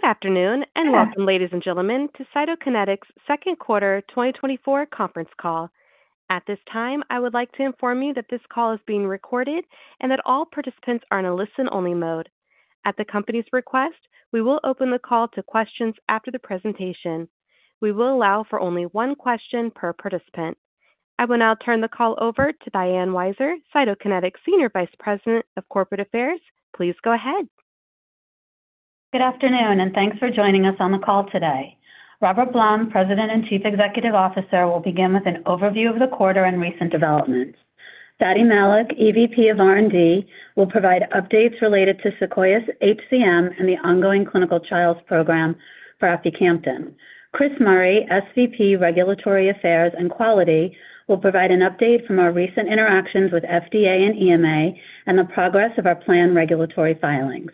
Good afternoon, and welcome, ladies and gentlemen, to Cytokinetics' second quarter 2024 conference call. At this time, I would like to inform you that this call is being recorded and that all participants are in a listen-only mode. At the company's request, we will open the call to questions after the presentation. We will allow for only one question per participant. I will now turn the call over to Diane Weiser, Cytokinetics' Senior Vice President of Corporate Affairs. Please go ahead. Good afternoon, and thanks for joining us on the call today. Robert Blum, President and Chief Executive Officer, will begin with an overview of the quarter and recent developments. Fady Malik, EVP of R&D, will provide updates related to SEQUOIA-HCM and the ongoing clinical trials program for aficamten. Chris Murray, SVP, Regulatory Affairs and Quality, will provide an update from our recent interactions with FDA and EMA and the progress of our planned regulatory filings.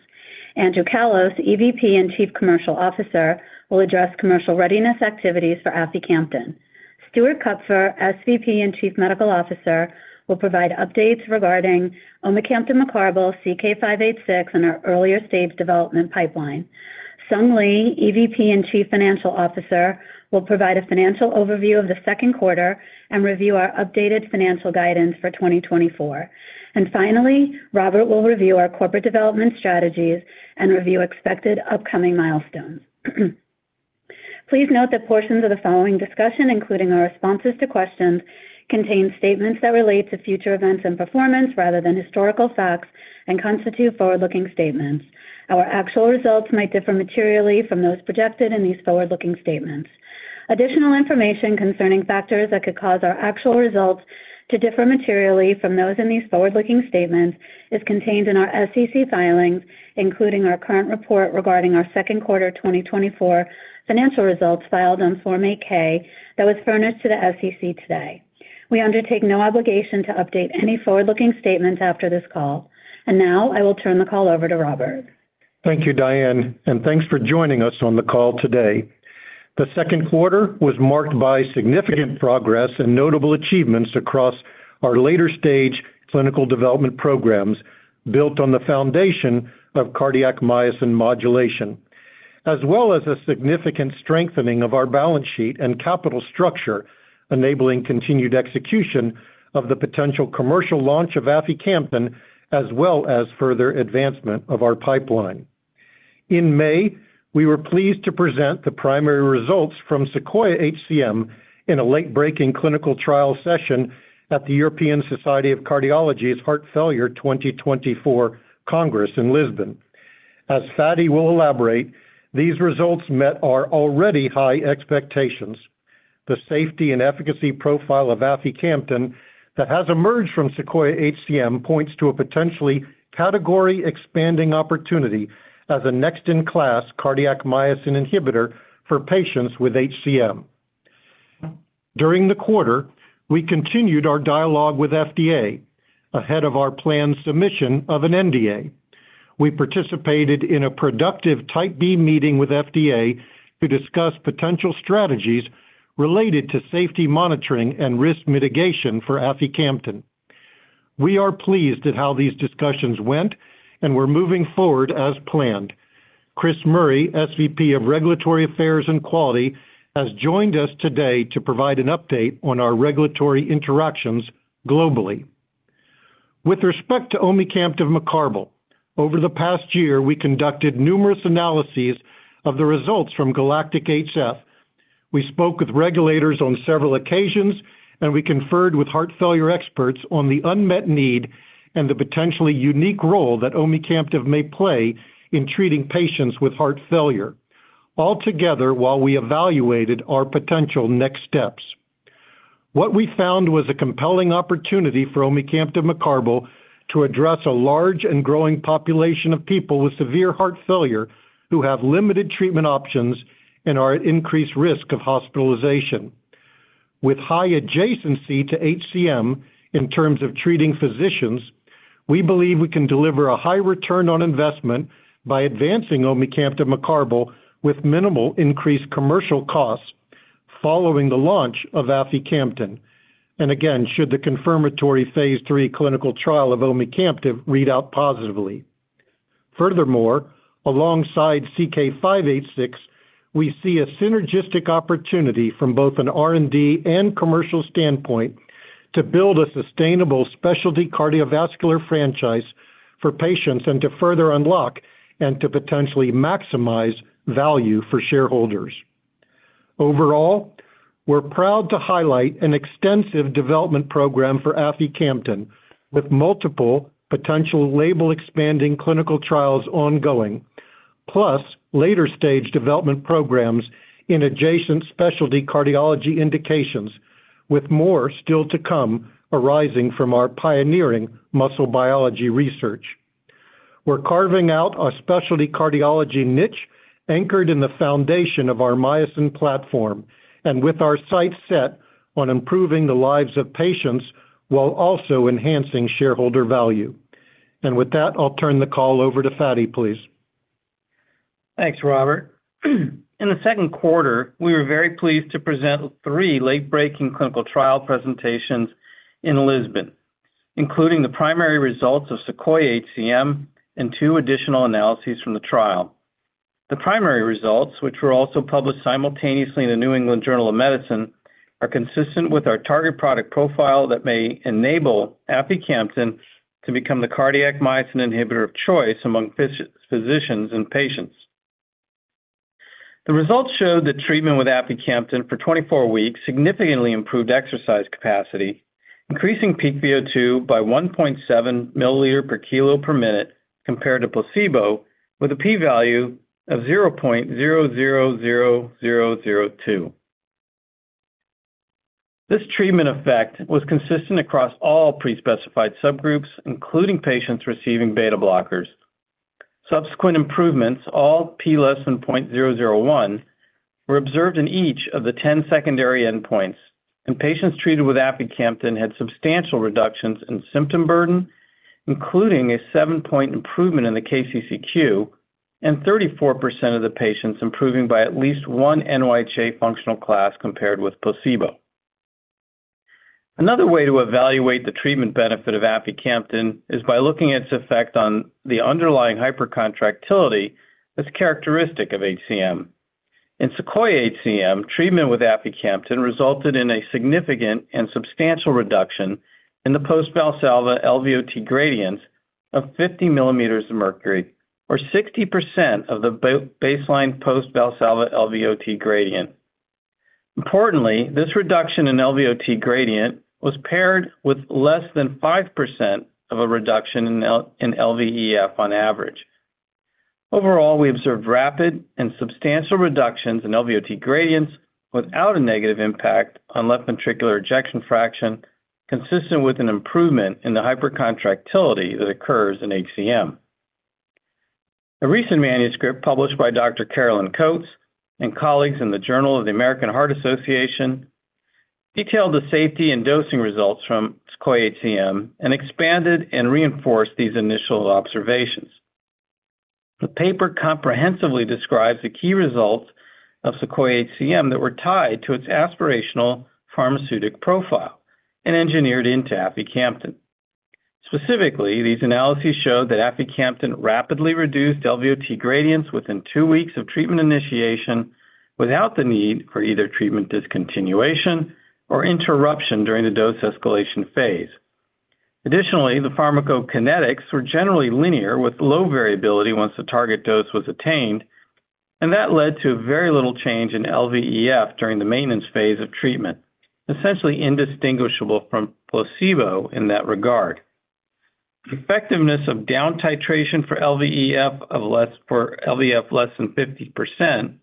Andrew Callos, EVP and Chief Commercial Officer, will address commercial readiness activities for aficamten. Stuart Kupfer, SVP and Chief Medical Officer, will provide updates regarding omecamtiv mecarbil, CK-586, and our earlier-stage development pipeline. Sung Lee, EVP and Chief Financial Officer, will provide a financial overview of the second quarter and review our updated financial guidance for 2024. And finally, Robert will review our corporate development strategies and review expected upcoming milestones. Please note that portions of the following discussion, including our responses to questions, contain statements that relate to future events and performance rather than historical facts and constitute forward-looking statements. Our actual results might differ materially from those projected in these forward-looking statements. Additional information concerning factors that could cause our actual results to differ materially from those in these forward-looking statements is contained in our SEC filings, including our current report regarding our second quarter 2024 financial results filed on Form 8-K that was furnished to the SEC today. We undertake no obligation to update any forward-looking statements after this call. Now I will turn the call over to Robert. Thank you, Diane, and thanks for joining us on the call today. The second quarter was marked by significant progress and notable achievements across our later-stage clinical development programs, built on the foundation of cardiac myosin modulation, as well as a significant strengthening of our balance sheet and capital structure, enabling continued execution of the potential commercial launch of aficamten, as well as further advancement of our pipeline. In May, we were pleased to present the primary results from SEQUOIA-HCM in a late-breaking clinical trial session at the European Society of Cardiology's Heart Failure 2024 Congress in Lisbon. As Fady will elaborate, these results met our already high expectations. The safety and efficacy profile of aficamten that has emerged from SEQUOIA-HCM points to a potentially category-expanding opportunity as a next-in-class cardiac myosin inhibitor for patients with HCM. During the quarter, we continued our dialogue with FDA ahead of our planned submission of an NDA. We participated in a productive Type B meeting with FDA to discuss potential strategies related to safety monitoring and risk mitigation for aficamten. We are pleased at how these discussions went and we're moving forward as planned. Chris Murray, SVP of Regulatory Affairs and Quality, has joined us today to provide an update on our regulatory interactions globally. With respect to omecamtiv mecarbil, over the past year, we conducted numerous analyses of the results from GALACTIC-HF. We spoke with regulators on several occasions, and we conferred with heart failure experts on the unmet need and the potentially unique role that omecamtiv mecarbil may play in treating patients with heart failure, all together while we evaluated our potential next steps. What we found was a compelling opportunity for omecamtiv mecarbil to address a large and growing population of people with severe heart failure who have limited treatment options and are at increased risk of hospitalization. With high adjacency to HCM in terms of treating physicians, we believe we can deliver a high return on investment by advancing omecamtiv mecarbil with minimal increased commercial costs following the launch of aficamten, and again, should the confirmatory Phase III clinical trial of omecamtiv mecarbil read out positively. Furthermore, alongside CK-586, we see a synergistic opportunity from both an R&D and commercial standpoint to build a sustainable specialty cardiovascular franchise for patients and to further unlock and to potentially maximize value for shareholders. Overall, we're proud to highlight an extensive development program for aficamten, with multiple potential label-expanding clinical trials ongoing, plus later-stage development programs in adjacent specialty cardiology indications, with more still to come arising from our pioneering muscle biology research. We're carving out a specialty cardiology niche anchored in the foundation of our myosin platform and with our sights set on improving the lives of patients while also enhancing shareholder value. And with that, I'll turn the call over to Fady, please. Thanks, Robert. In the second quarter, we were very pleased to present three late-breaking clinical trial presentations in Lisbon.... including the primary results of SEQUOIA-HCM and two additional analyses from the trial. The primary results, which were also published simultaneously in the New England Journal of Medicine, are consistent with our target product profile that may enable aficamten to become the cardiac myosin inhibitor of choice among physicians and patients. The results showed that treatment with aficamten for 24 weeks significantly improved exercise capacity, increasing peak VO2 by 1.7 milliliters per kilogram per minute compared to placebo, with a p-value of 0.000002. This treatment effect was consistent across all pre-specified subgroups, including patients receiving beta blockers. Subsequent improvements, all p < 0.001, were observed in each of the 10 secondary endpoints, and patients treated with aficamten had substantial reductions in symptom burden, including a 7-point improvement in the KCCQ and 34% of the patients improving by at least 1 NYHA functional class compared with placebo. Another way to evaluate the treatment benefit of aficamten is by looking at its effect on the underlying hypercontractility that's characteristic of HCM. In SEQUOIA-HCM, treatment with aficamten resulted in a significant and substantial reduction in the post-Valsalva LVOT gradient of 50 mm Hg, or 60% of the baseline post-Valsalva LVOT gradient. Importantly, this reduction in LVOT gradient was paired with less than 5% of a reduction in LVEF on average. Overall, we observed rapid and substantial reductions in LVOT gradients without a negative impact on left ventricular ejection fraction, consistent with an improvement in the hypercontractility that occurs in HCM. A recent manuscript published by Dr. Caroline Coats and colleagues in the Journal of the American Heart Association detailed the safety and dosing results from SEQUOIA-HCM and expanded and reinforced these initial observations. The paper comprehensively describes the key results of SEQUOIA-HCM that were tied to its aspirational pharmaceutical profile and engineered into aficamten. Specifically, these analyses showed that aficamten rapidly reduced LVOT gradients within two weeks of treatment initiation without the need for either treatment discontinuation or interruption during the dose escalation Phase. Additionally, the pharmacokinetics were generally linear with low variability once the target dose was attained, and that led to very little change in LVEF during the maintenance Phase of treatment, essentially indistinguishable from placebo in that regard. The effectiveness of down titration for LVEF less than 50%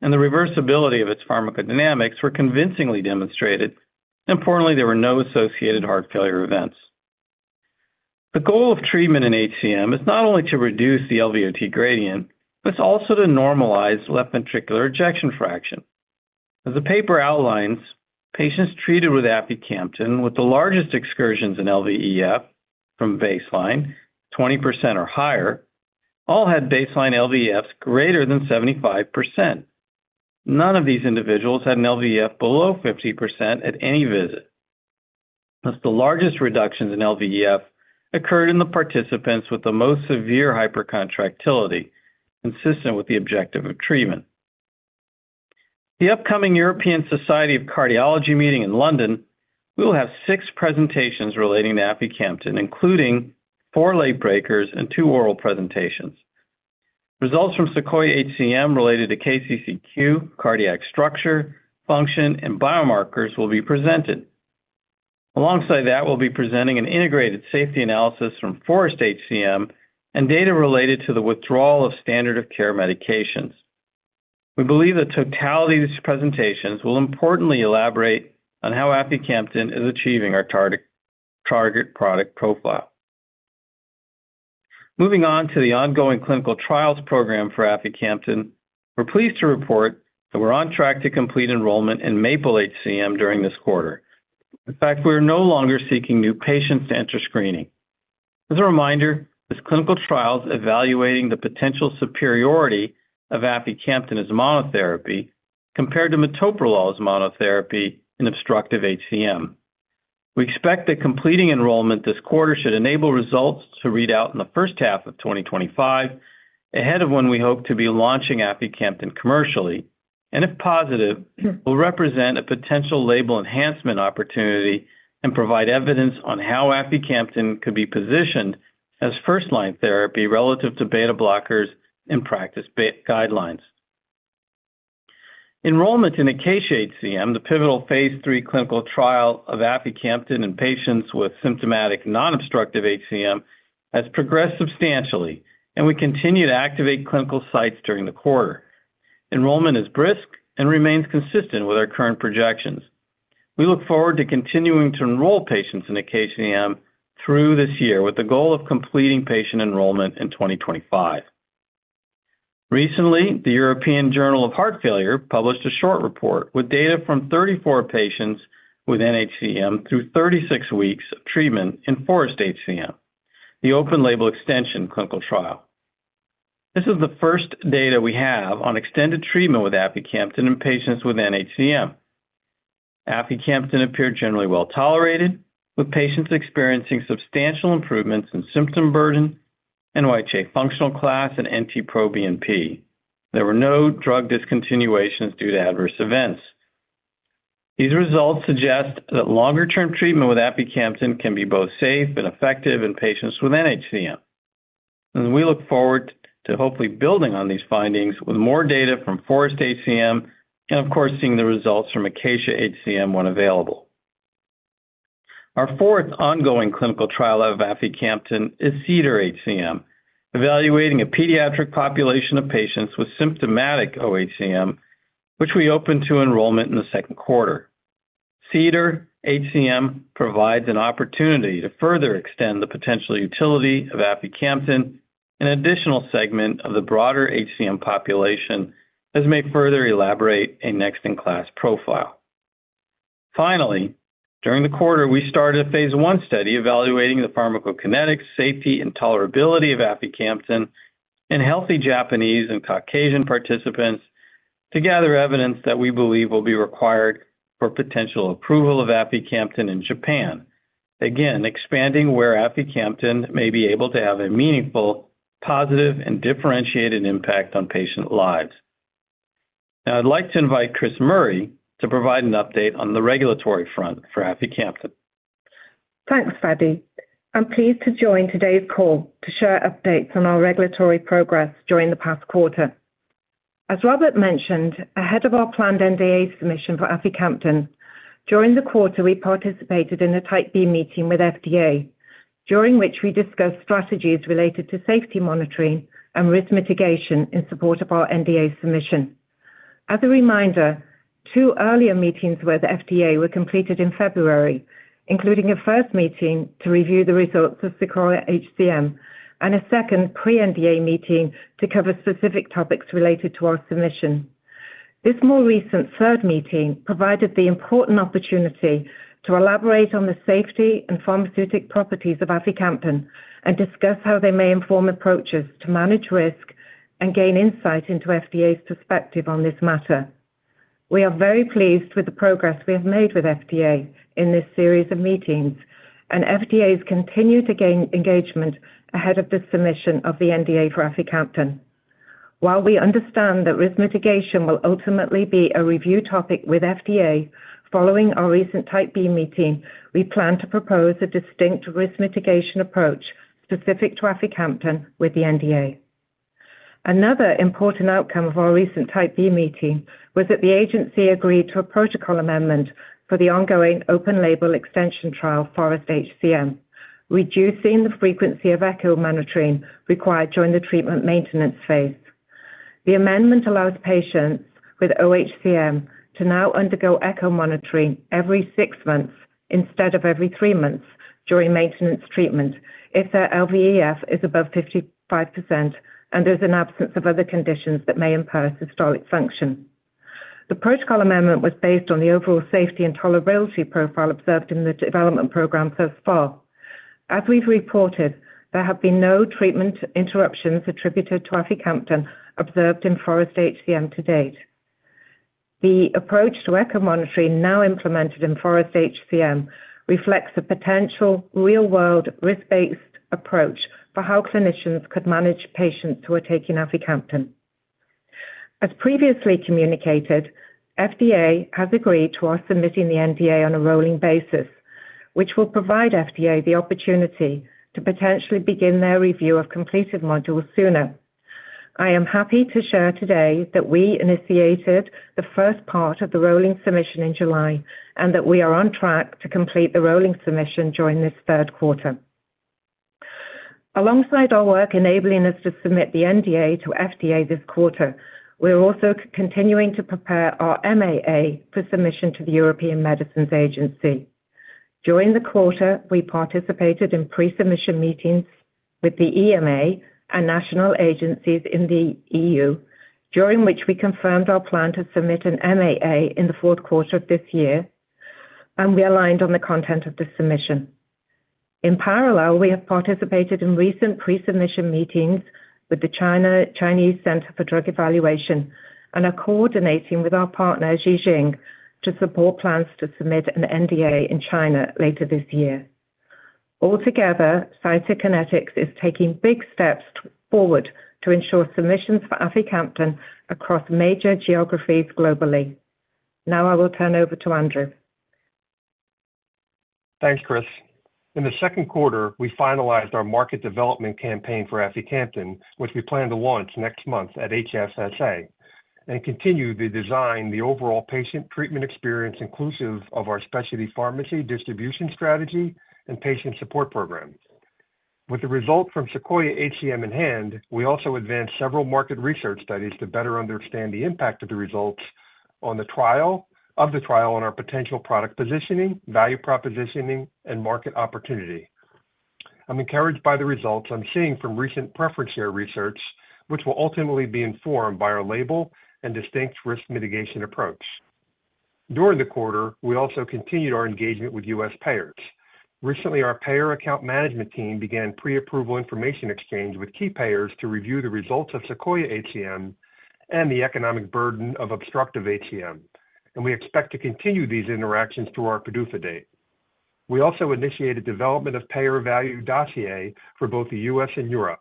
and the reversibility of its pharmacodynamics were convincingly demonstrated. Importantly, there were no associated heart failure events. The goal of treatment in HCM is not only to reduce the LVOT gradient, but it's also to normalize left ventricular ejection fraction. As the paper outlines, patients treated with aficamten, with the largest excursions in LVEF from baseline, 20% or higher, all had baseline LVEFs greater than 75%. None of these individuals had an LVEF below 50% at any visit. Thus, the largest reductions in LVEF occurred in the participants with the most severe hypercontractility, consistent with the objective of treatment. The upcoming European Society of Cardiology meeting in London, we will have six presentations relating to aficamten, including four late breakers and two oral presentations. Results from SEQUOIA-HCM related to KCCQ, cardiac structure, function, and biomarkers will be presented. Alongside that, we'll be presenting an integrated safety analysis from FOREST-HCM and data related to the withdrawal of standard of care medications. We believe the totality of these presentations will importantly elaborate on how aficamten is achieving our target, target product profile. Moving on to the ongoing clinical trials program for aficamten, we're pleased to report that we're on track to complete enrollment in MAPLE-HCM during this quarter. In fact, we are no longer seeking new patients to enter screening. As a reminder, this clinical trial is evaluating the potential superiority of aficamten as monotherapy compared to metoprolol as monotherapy in obstructive HCM. We expect that completing enrollment this quarter should enable results to read out in the first half of 2025, ahead of when we hope to be launching aficamten commercially, and if positive, will represent a potential label enhancement opportunity and provide evidence on how aficamten could be positioned as first-line therapy relative to beta blockers in practice-based guidelines. Enrollment in ACACIA-HCM, the pivotal Phase III clinical trial of aficamten in patients with symptomatic non-obstructive HCM, has progressed substantially, and we continue to activate clinical sites during the quarter. Enrollment is brisk and remains consistent with our current projections. We look forward to continuing to enroll patients in ACACIA-HCM through this year, with the goal of completing patient enrollment in 2025. Recently, the European Journal of Heart Failure published a short report with data from 34 patients with nHCM through 36 weeks of treatment in FOREST-HCM, the open-label extension clinical trial. This is the first data we have on extended treatment with aficamten in patients with nHCM. aficamten appeared generally well tolerated, with patients experiencing substantial improvements in symptom burden, NYHA functional class, and NT-proBNP. There were no drug discontinuations due to adverse events. These results suggest that longer-term treatment with aficamten can be both safe and effective in patients with nHCM, and we look forward to hopefully building on these findings with more data from FOREST-HCM, and of course, seeing the results from ACACIA-HCM when available. Our fourth ongoing clinical trial of aficamten is CEDAR-HCM, evaluating a pediatric population of patients with symptomatic OHCM, which we opened to enrollment in the second quarter. CEDAR-HCM provides an opportunity to further extend the potential utility of aficamten, an additional segment of the broader HCM population, as may further elaborate a next-in-class profile. Finally, during the quarter, we started a Phase I study evaluating the pharmacokinetic safety and tolerability of aficamten in healthy Japanese and Caucasian participants to gather evidence that we believe will be required for potential approval of aficamten in Japan. Again, expanding where aficamten may be able to have a meaningful, positive, and differentiated impact on patient lives. Now I'd like to invite Chris Murray to provide an update on the regulatory front for aficamten. Thanks, Fady. I'm pleased to join today's call to share updates on our regulatory progress during the past quarter. As Robert mentioned, ahead of our planned NDA submission for aficamten, during the quarter, we participated in a Type B meeting with FDA, during which we discussed strategies related to safety monitoring and risk mitigation in support of our NDA submission. As a reminder, two earlier meetings with the FDA were completed in February, including a first meeting to review the results of SEQUOIA-HCM and a second pre-NDA meeting to cover specific topics related to our submission. This more recent third meeting provided the important opportunity to elaborate on the safety and pharmaceutical properties of aficamten and discuss how they may inform approaches to manage risk and gain insight into FDA's perspective on this matter. We are very pleased with the progress we have made with FDA in this series of meetings, and FDA's continued to gain engagement ahead of the submission of the NDA for aficamten. While we understand that risk mitigation will ultimately be a review topic with FDA, following our recent Type B meeting, we plan to propose a distinct risk mitigation approach specific to aficamten with the NDA. Another important outcome of our recent Type B meeting was that the agency agreed to a protocol amendment for the ongoing open label extension trial, FOREST-HCM, reducing the frequency of echo monitoring required during the treatment maintenance Phase. The amendment allows patients with OHCM to now undergo echo monitoring every six months instead of every three months during maintenance treatment if their LVEF is above 55% and there's an absence of other conditions that may impair systolic function. The protocol amendment was based on the overall safety and tolerability profile observed in the development program thus far. As we've reported, there have been no treatment interruptions attributed to aficamten observed in FOREST-HCM to date. The approach to echo monitoring, now implemented in FOREST-HCM, reflects a potential real-world, risk-based approach for how clinicians could manage patients who are taking aficamten. As previously communicated, FDA has agreed to us submitting the NDA on a rolling basis, which will provide FDA the opportunity to potentially begin their review of completed modules sooner. I am happy to share today that we initiated the first part of the rolling submission in July, and that we are on track to complete the rolling submission during this third quarter. Alongside our work enabling us to submit the NDA to FDA this quarter, we are also continuing to prepare our MAA for submission to the European Medicines Agency. During the quarter, we participated in pre-submission meetings with the EMA and national agencies in the EU, during which we confirmed our plan to submit an MAA in the fourth quarter of this year, and we aligned on the content of the submission. In parallel, we have participated in recent pre-submission meetings with the Chinese Center for Drug Evaluation and are coordinating with our partner, Ji Xing, to support plans to submit an NDA in China later this year. Altogether, Cytokinetics is taking big steps forward to ensure submissions for aficamten across major geographies globally. Now I will turn over to Andrew. Thanks, Chris. In the second quarter, we finalized our market development campaign for aficamten, which we plan to launch next month at HFSA, and continue to design the overall patient treatment experience, inclusive of our specialty pharmacy distribution strategy and patient support program. With the result from SEQUOIA-HCM in hand, we also advanced several market research studies to better understand the impact of the results of the trial on our potential product positioning, value proposition, and market opportunity. I'm encouraged by the results I'm seeing from recent preference share research, which will ultimately be informed by our label and distinct risk mitigation approach.... During the quarter, we also continued our engagement with U.S. payers. Recently, our payer account management team began pre-approval information exchange with key payers to review the results of SEQUOIA-HCM and the economic burden of obstructive HCM, and we expect to continue these interactions through our PDUFA date. We also initiated development of payer value dossier for both the U.S. and Europe,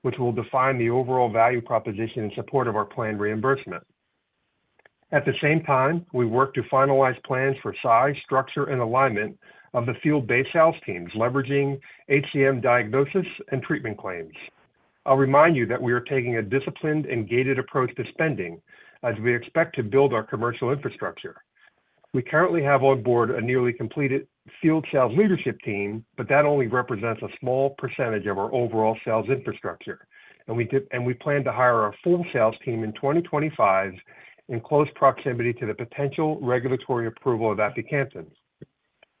which will define the overall value proposition in support of our planned reimbursement. At the same time, we worked to finalize plans for size, structure, and alignment of the field-based sales teams, leveraging HCM diagnosis and treatment claims. I'll remind you that we are taking a disciplined and gated approach to spending as we expect to build our commercial infrastructure. We currently have on board a nearly completed field sales leadership team, but that only represents a small percentage of our overall sales infrastructure, and we plan to hire our full sales team in 2025 in close proximity to the potential regulatory approval of aficamten.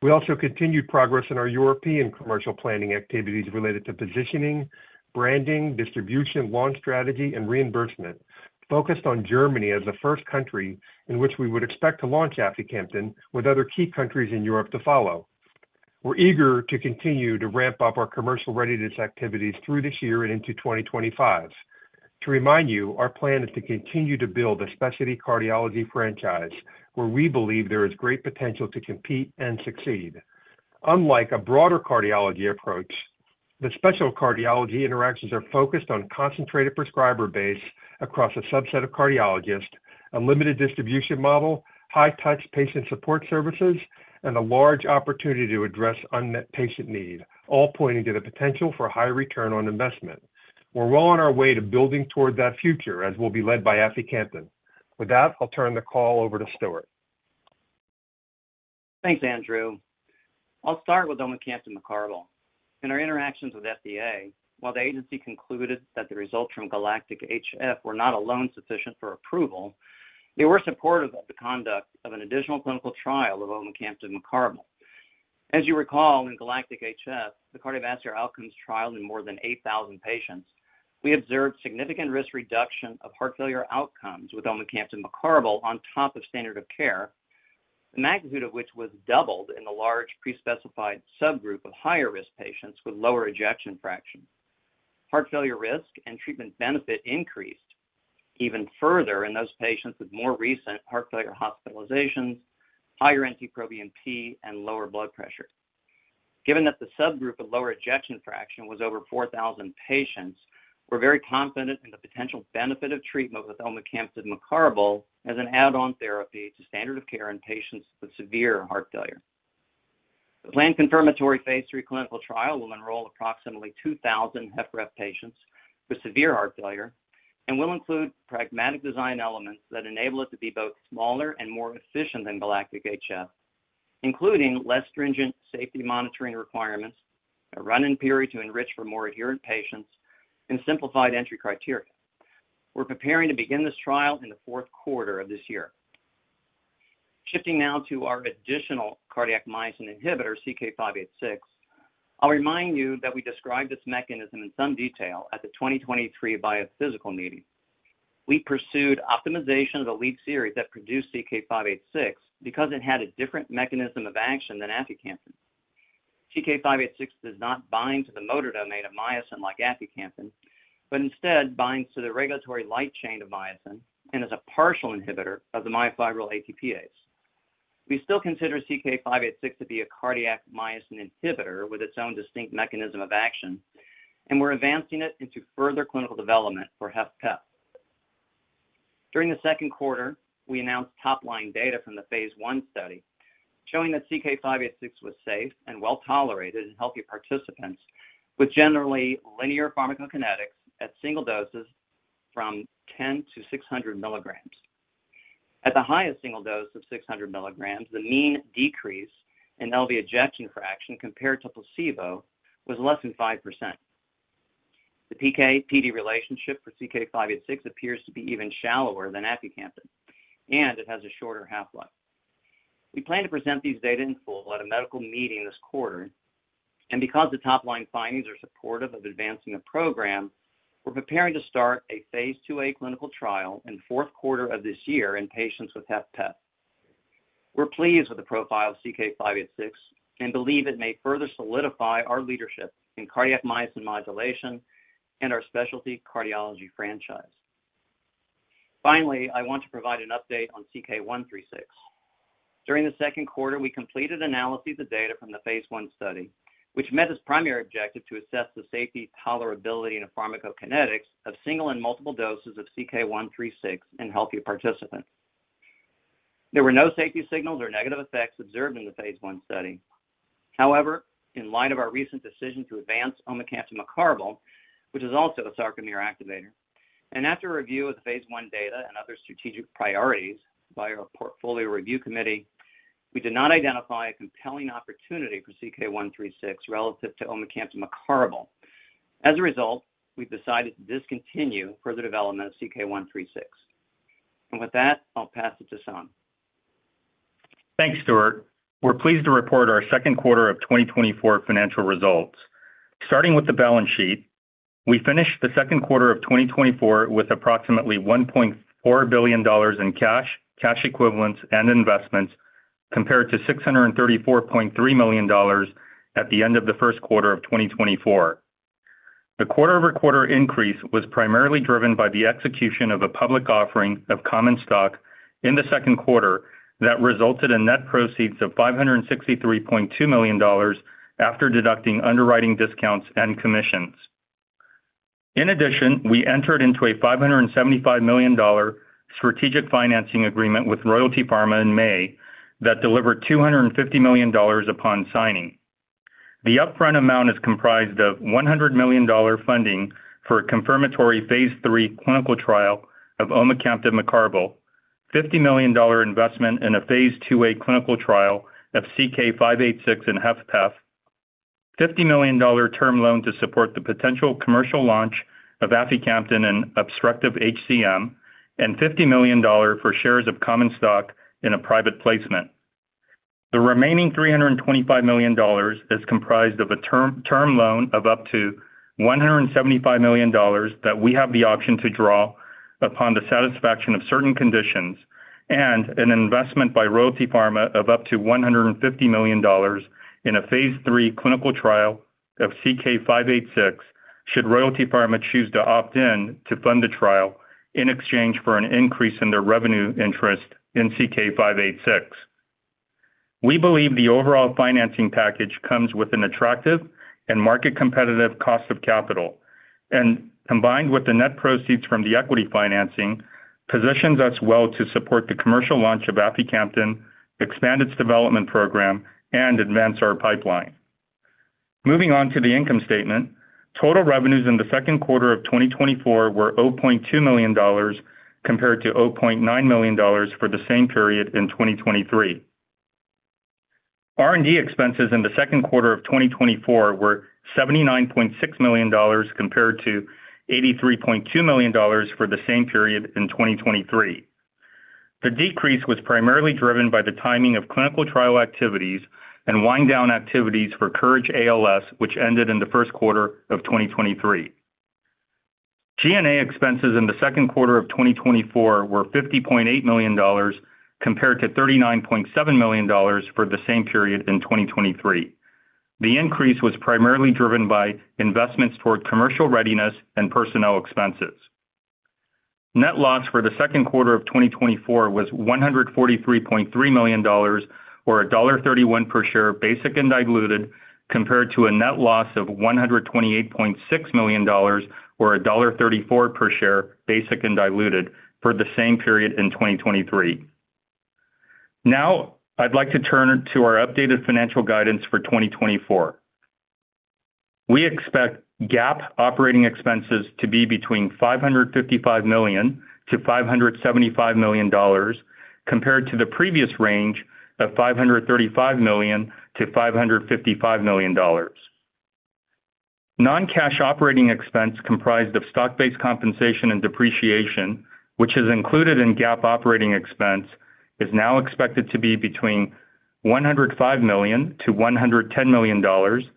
We also continued progress in our European commercial planning activities related to positioning, branding, distribution, launch strategy, and reimbursement, focused on Germany as the first country in which we would expect to launch aficamten, with other key countries in Europe to follow. We're eager to continue to ramp up our commercial readiness activities through this year and into 2025. To remind you, our plan is to continue to build a specialty cardiology franchise, where we believe there is great potential to compete and succeed. Unlike a broader cardiology approach, the specialty cardiology interactions are focused on concentrated prescriber base across a subset of cardiologists, a limited distribution model, high-touch patient support services, and a large opportunity to address unmet patient need, all pointing to the potential for a high return on investment. We're well on our way to building toward that future, as will be led by aficamten. With that, I'll turn the call over to Stuart. Thanks, Andrew. I'll start with omecamtiv mecarbil. In our interactions with FDA, while the agency concluded that the results from GALACTIC-HF were not alone sufficient for approval, they were supportive of the conduct of an additional clinical trial of omecamtiv mecarbil. As you recall, in GALACTIC-HF, the cardiovascular outcomes trial in more than 8,000 patients, we observed significant risk reduction of heart failure outcomes with omecamtiv mecarbil on top of standard of care, the magnitude of which was doubled in the large pre-specified subgroup of higher-risk patients with lower ejection fraction. Heart failure risk and treatment benefit increased even further in those patients with more recent heart failure hospitalizations, higher NT-proBNP, and lower blood pressure. Given that the subgroup of lower ejection fraction was over 4,000 patients, we're very confident in the potential benefit of treatment with omecamtiv mecarbil as an add-on therapy to standard of care in patients with severe heart failure. The planned confirmatory Phase III clinical trial will enroll approximately 2,000 HFrEF patients with severe heart failure and will include pragmatic design elements that enable it to be both smaller and more efficient than GALACTIC-HF, including less stringent safety monitoring requirements, a run-in period to enrich for more adherent patients, and simplified entry criteria. We're preparing to begin this trial in the fourth quarter of this year. Shifting now to our additional cardiac myosin inhibitor, CK-586. I'll remind you that we described this mechanism in some detail at the 2023 biophysical meeting. We pursued optimization of the lead series that produced CK-586 because it had a different mechanism of action than aficamten. CK-586 does not bind to the motor domain of myosin like aficamten, but instead binds to the regulatory light chain of myosin and is a partial inhibitor of the myofibril ATPase. We still consider CK-586 to be a cardiac myosin inhibitor with its own distinct mechanism of action, and we're advancing it into further clinical development for HFpEF. During the second quarter, we announced top-line data from the Phase I study, showing that CK-586 was safe and well-tolerated in healthy participants, with generally linear pharmacokinetics at single doses from 10-600 mg. At the highest single dose of 600 milligrams, the mean decrease in LV ejection fraction compared to placebo was less than 5%. The PK/PD relationship for CK-586 appears to be even shallower than aficamten, and it has a shorter half-life. We plan to present these data in full at a medical meeting this quarter, and because the top-line findings are supportive of advancing the program, we're preparing to start a Phase IIA clinical trial in the fourth quarter of this year in patients with HFpEF. We're pleased with the profile of CK-586 and believe it may further solidify our leadership in cardiac myosin modulation and our specialty cardiology franchise. Finally, I want to provide an update on CK-136. During the second quarter, we completed analysis of data from the Phase I study, which met its primary objective to assess the safety, tolerability, and pharmacokinetics of single and multiple doses of CK-136 in healthy participants. There were no safety signals or negative effects observed in the Phase I study. However, in light of our recent decision to advance omecamtiv mecarbil, which is also a sarcomere activator, and after review of the Phase I data and other strategic priorities by our portfolio review committee, we did not identify a compelling opportunity for CK-136 relative to omecamtiv mecarbil. As a result, we've decided to discontinue further development of CK-136. And with that, I'll pass it to Sung. Thanks, Stuart. We're pleased to report our second quarter of 2024 financial results. Starting with the balance sheet.... We finished the second quarter of 2024 with approximately $1.4 billion in cash, cash equivalents, and investments, compared to $634.3 million at the end of the first quarter of 2024. The quarter-over-quarter increase was primarily driven by the execution of a public offering of common stock in the second quarter that resulted in net proceeds of $563.2 million after deducting underwriting discounts and commissions. In addition, we entered into a $575 million strategic financing agreement with Royalty Pharma in May that delivered $250 million upon signing. The upfront amount is comprised of $100 million funding for a confirmatory Phase III clinical trial of omecamtiv mecarbil, $50 million investment in a Phase IIA clinical trial of CK-586 in HFpEF, $50 million term loan to support the potential commercial launch of aficamten in obstructive HCM, and $50 million for shares of common stock in a private placement. The remaining $325 million is comprised of a term loan of up to $175 million that we have the option to draw upon the satisfaction of certain conditions, and an investment by Royalty Pharma of up to $150 million in a Phase III clinical trial of CK-586, should Royalty Pharma choose to opt in to fund the trial in exchange for an increase in their revenue interest in CK-586. We believe the overall financing package comes with an attractive and market-competitive cost of capital, and combined with the net proceeds from the equity financing, positions us well to support the commercial launch of aficamten, expand its development program, and advance our pipeline. Moving on to the income statement. Total revenues in the second quarter of 2024 were $0.2 million, compared to $0.9 million for the same period in 2023. R&D expenses in the second quarter of 2024 were $79.6 million, compared to $83.2 million for the same period in 2023. The decrease was primarily driven by the timing of clinical trial activities and wind-down activities for COURAGE-ALS, which ended in the first quarter of 2023. G&A expenses in the second quarter of 2024 were $50.8 million, compared to $39.7 million for the same period in 2023. The increase was primarily driven by investments toward commercial readiness and personnel expenses. Net loss for the second quarter of 2024 was $143.3 million, or $1.31 per share, basic and diluted, compared to a net loss of $128.6 million, or $1.34 per share, basic and diluted, for the same period in 2023. Now I'd like to turn to our updated financial guidance for 2024. We expect GAAP operating expenses to be between $555 million and $575 million, compared to the previous range of $535 million-$555 million. Non-cash operating expense, comprised of stock-based compensation and depreciation, which is included in GAAP operating expense, is now expected to be between $105 million-$110 million,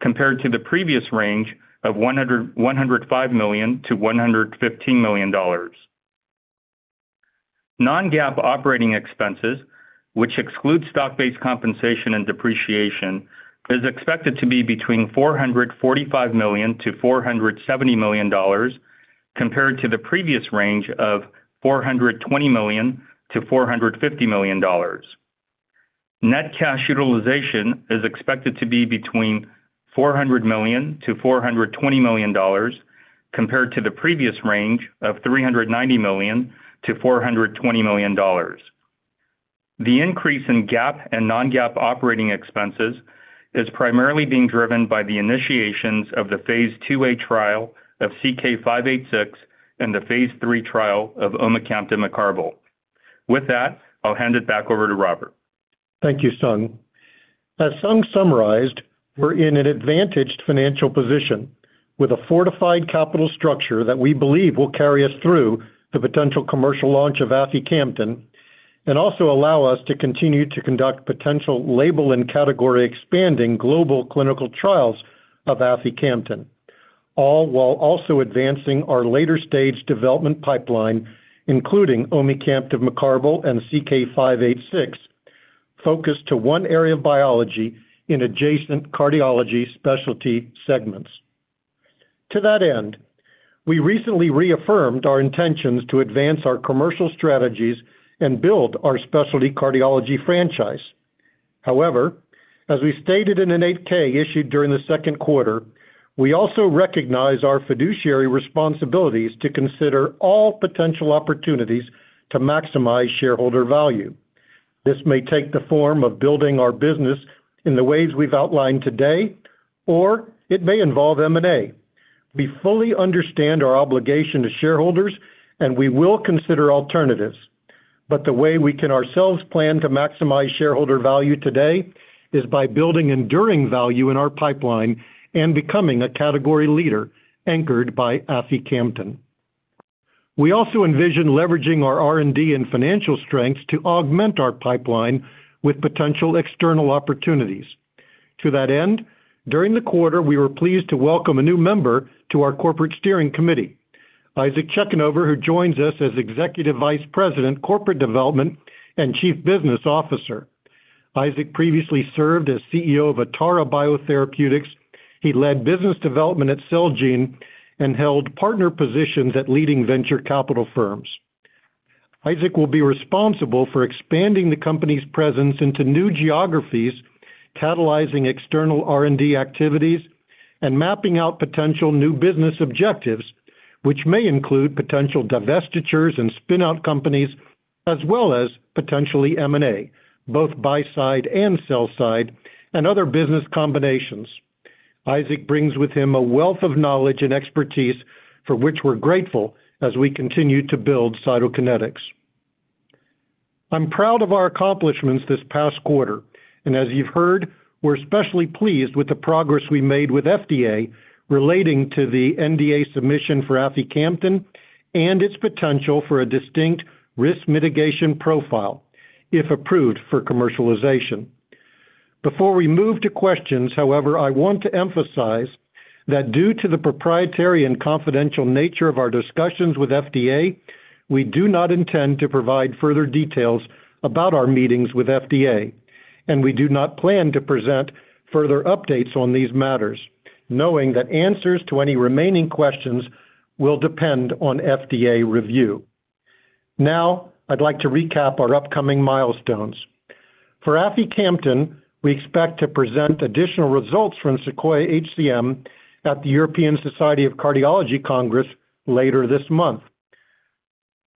compared to the previous range of $105 million-$115 million. Non-GAAP operating expenses, which excludes stock-based compensation and depreciation, is expected to be between $445 million-$470 million, compared to the previous range of $420 million-$450 million. Net cash utilization is expected to be between $400 million-$420 million, compared to the previous range of $390 million-$420 million. The increase in GAAP and non-GAAP operating expenses is primarily being driven by the initiations of the Phase IIA trial of CK-586 and the Phase III trial of omecamtiv mecarbil. With that, I'll hand it back over to Robert. Thank you, Sung. As Sung summarized, we're in an advantaged financial position with a fortified capital structure that we believe will carry us through the potential commercial launch of aficamten and also allow us to continue to conduct potential label and category-expanding global clinical trials of aficamten, all while also advancing our later-stage development pipeline, including omecamtiv mecarbil and CK-586, focused to one area of biology in adjacent cardiology specialty segments. To that end, we recently reaffirmed our intentions to advance our commercial strategies and build our specialty cardiology franchise. However, as we stated in an 8-K issued during the second quarter, we also recognize our fiduciary responsibilities to consider all potential opportunities to maximize shareholder value. This may take the form of building our business in the ways we've outlined today, or it may involve M&A. We fully understand our obligation to shareholders, and we will consider alternatives. But the way we can ourselves plan to maximize shareholder value today is by building enduring value in our pipeline and becoming a category leader anchored by aficamten.... We also envision leveraging our R&D and financial strengths to augment our pipeline with potential external opportunities. To that end, during the quarter, we were pleased to welcome a new member to our corporate steering committee, Isaak Ciechanover, who joins us as Executive Vice President, Corporate Development and Chief Business Officer. Isaak previously served as CEO of Atara Biotherapeutics. He led business development at Celgene and held partner positions at leading venture capital firms. Isaak will be responsible for expanding the company's presence into new geographies, catalyzing external R&D activities, and mapping out potential new business objectives, which may include potential divestitures and spin-out companies, as well as potentially M&A, both buy side and sell side, and other business combinations. Isaak brings with him a wealth of knowledge and expertise, for which we're grateful as we continue to build Cytokinetics. I'm proud of our accomplishments this past quarter, and as you've heard, we're especially pleased with the progress we made with FDA relating to the NDA submission for aficamten and its potential for a distinct risk mitigation profile, if approved for commercialization. Before we move to questions, however, I want to emphasize that due to the proprietary and confidential nature of our discussions with FDA, we do not intend to provide further details about our meetings with FDA, and we do not plan to present further updates on these matters, knowing that answers to any remaining questions will depend on FDA review. Now, I'd like to recap our upcoming milestones. For aficamten, we expect to present additional results from SEQUOIA-HCM at the European Society of Cardiology Congress later this month.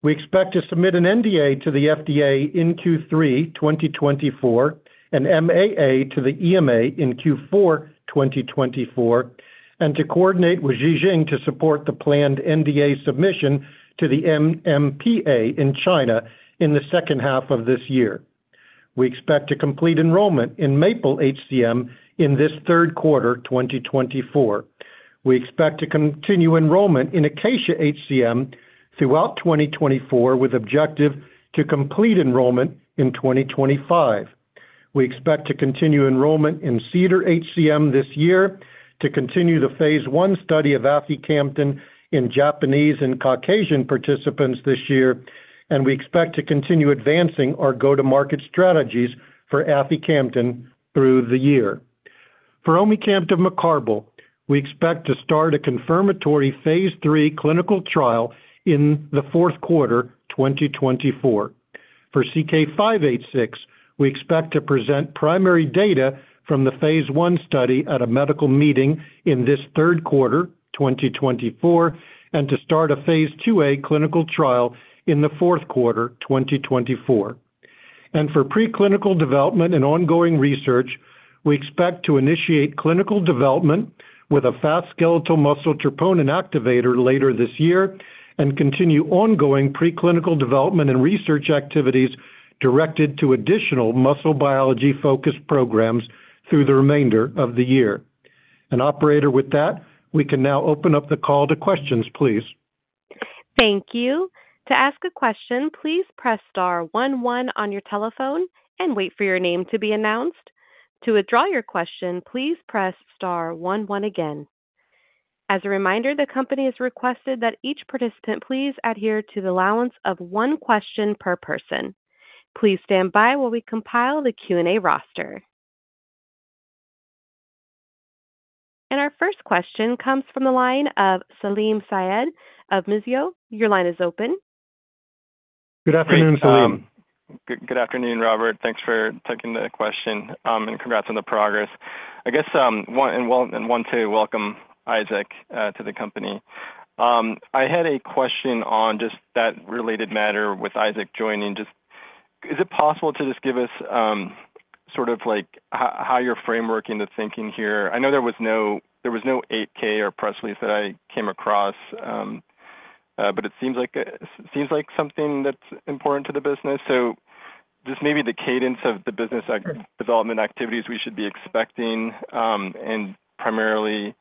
We expect to submit an NDA to the FDA in Q3 2024, an MAA to the EMA in Q4 2024, and to coordinate with Ji Xing to support the planned NDA submission to the NMPA in China in the second half of this year. We expect to complete enrollment in MAPLE-HCM in this third quarter 2024. We expect to continue enrollment in ACACIA-HCM throughout 2024, with objective to complete enrollment in 2025. We expect to continue enrollment in CEDAR-HCM this year, to continue the Phase I study of aficamten in Japanese and Caucasian participants this year, and we expect to continue advancing our go-to-market strategies for aficamten through the year. For omecamtiv mecarbil, we expect to start a confirmatory Phase III clinical trial in the fourth quarter 2024. For CK-586, we expect to present primary data from the Phase I study at a medical meeting in this third quarter 2024, and to start a Phase IIA clinical trial in the fourth quarter 2024. For preclinical development and ongoing research, we expect to initiate clinical development with a fast skeletal muscle troponin activator later this year and continue ongoing preclinical development and research activities directed to additional muscle biology-focused programs through the remainder of the year. Operator, with that, we can now open up the call to questions, please. Thank you. To ask a question, please press star one one on your telephone and wait for your name to be announced. To withdraw your question, please press star one one again. As a reminder, the company has requested that each participant please adhere to the allowance of one question per person. Please stand by while we compile the Q&A roster. Our first question comes from the line of Salim Syed of Mizuho. Your line is open. Good afternoon, Salim. Good afternoon, Robert. Thanks for taking the question, and congrats on the progress. I guess, and want to welcome Isaak to the company. I had a question on just that related matter with Isaak joining. Just, is it possible to just give us, sort of like how you're framing the thinking here? I know there was no 8-K or press release that I came across, but it seems like something that's important to the business. So just maybe the cadence of the business development activities we should be expecting, and primarily,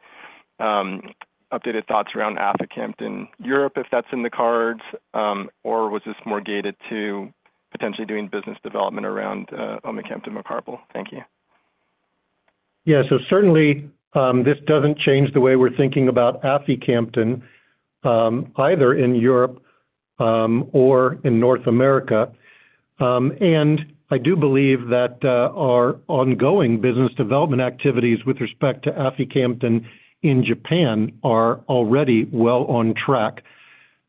updated thoughts around aficamten. Europe, if that's in the cards, or was this more gated to potentially doing business development around omecamtiv mecarbil? Thank you. Yeah, so certainly, this doesn't change the way we're thinking about aficamten, either in Europe, or in North America. And I do believe that our ongoing business development activities with respect to aficamten in Japan are already well on track.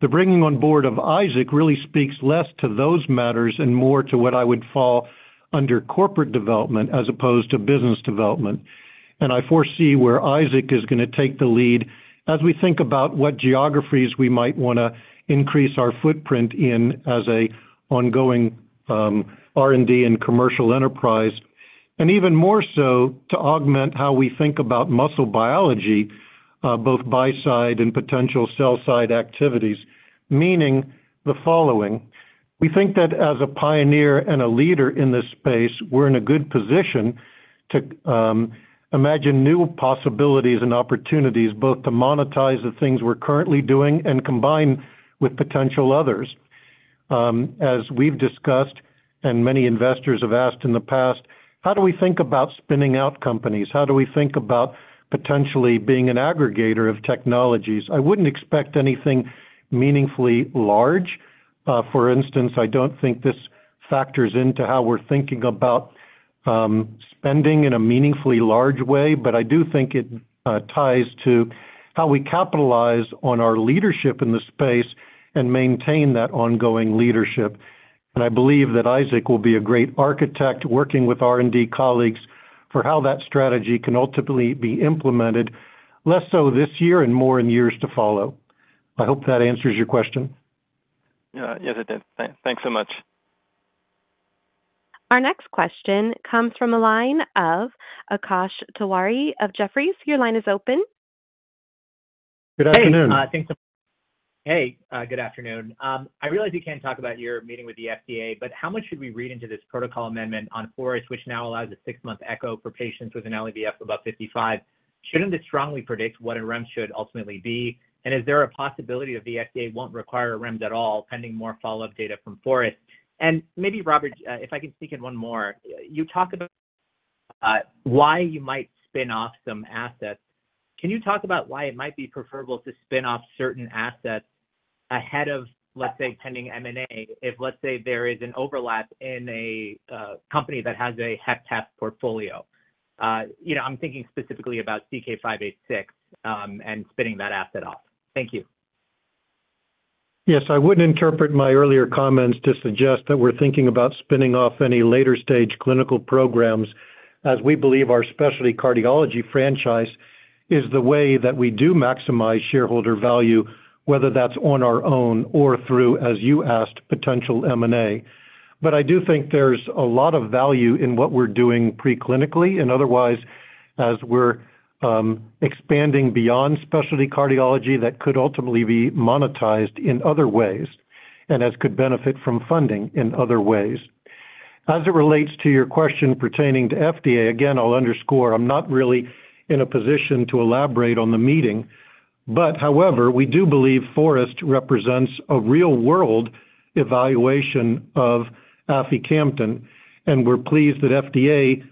The bringing on board of Isaak really speaks less to those matters and more to what I would fall under corporate development as opposed to business development. And I foresee where Isaak is gonna take the lead as we think about what geographies we might wanna increase our footprint in as an ongoing R&D and commercial enterprise, and even more so to augment how we think about muscle biology, both buy side and potential sell side activities, meaning the following: We think that as a pioneer and a leader in this space, we're in a good position... to imagine new possibilities and opportunities, both to monetize the things we're currently doing and combine with potential others. As we've discussed, and many investors have asked in the past: How do we think about spinning out companies? How do we think about potentially being an aggregator of technologies? I wouldn't expect anything meaningfully large. For instance, I don't think this factors into how we're thinking about spending in a meaningfully large way, but I do think it ties to how we capitalize on our leadership in the space and maintain that ongoing leadership. And I believe that Isaak will be a great architect, working with R&D colleagues, for how that strategy can ultimately be implemented, less so this year and more in years to follow. I hope that answers your question. Yeah. Yes, it did. Thanks so much. Our next question comes from the line of Akash Tewari of Jefferies. Your line is open. Good afternoon. Hey, good afternoon. I realize you can't talk about your meeting with the FDA, but how much should we read into this protocol amendment on FOREST, which now allows a 6-month echo for patients with an LVEF above 55? Shouldn't it strongly predict what a REMS should ultimately be? And is there a possibility that the FDA won't require a REMS at all, pending more follow-up data from FOREST? And maybe, Robert, if I can sneak in one more. You talk about why you might spin off some assets. Can you talk about why it might be preferable to spin off certain assets ahead of, let's say, pending M&A, if, let's say, there is an overlap in a company that has a hodgepodge portfolio? You know, I'm thinking specifically about CK-586, and spinning that asset off. Thank you. Yes, I wouldn't interpret my earlier comments to suggest that we're thinking about spinning off any later-stage clinical programs, as we believe our specialty cardiology franchise is the way that we do maximize shareholder value, whether that's on our own or through, as you asked, potential M&A. But I do think there's a lot of value in what we're doing preclinically and otherwise, as we're expanding beyond specialty cardiology that could ultimately be monetized in other ways and as could benefit from funding in other ways. As it relates to your question pertaining to FDA, again, I'll underscore, I'm not really in a position to elaborate on the meeting. But, however, we do believe FOREST represents a real-world evaluation of aficamten, and we're pleased that FDA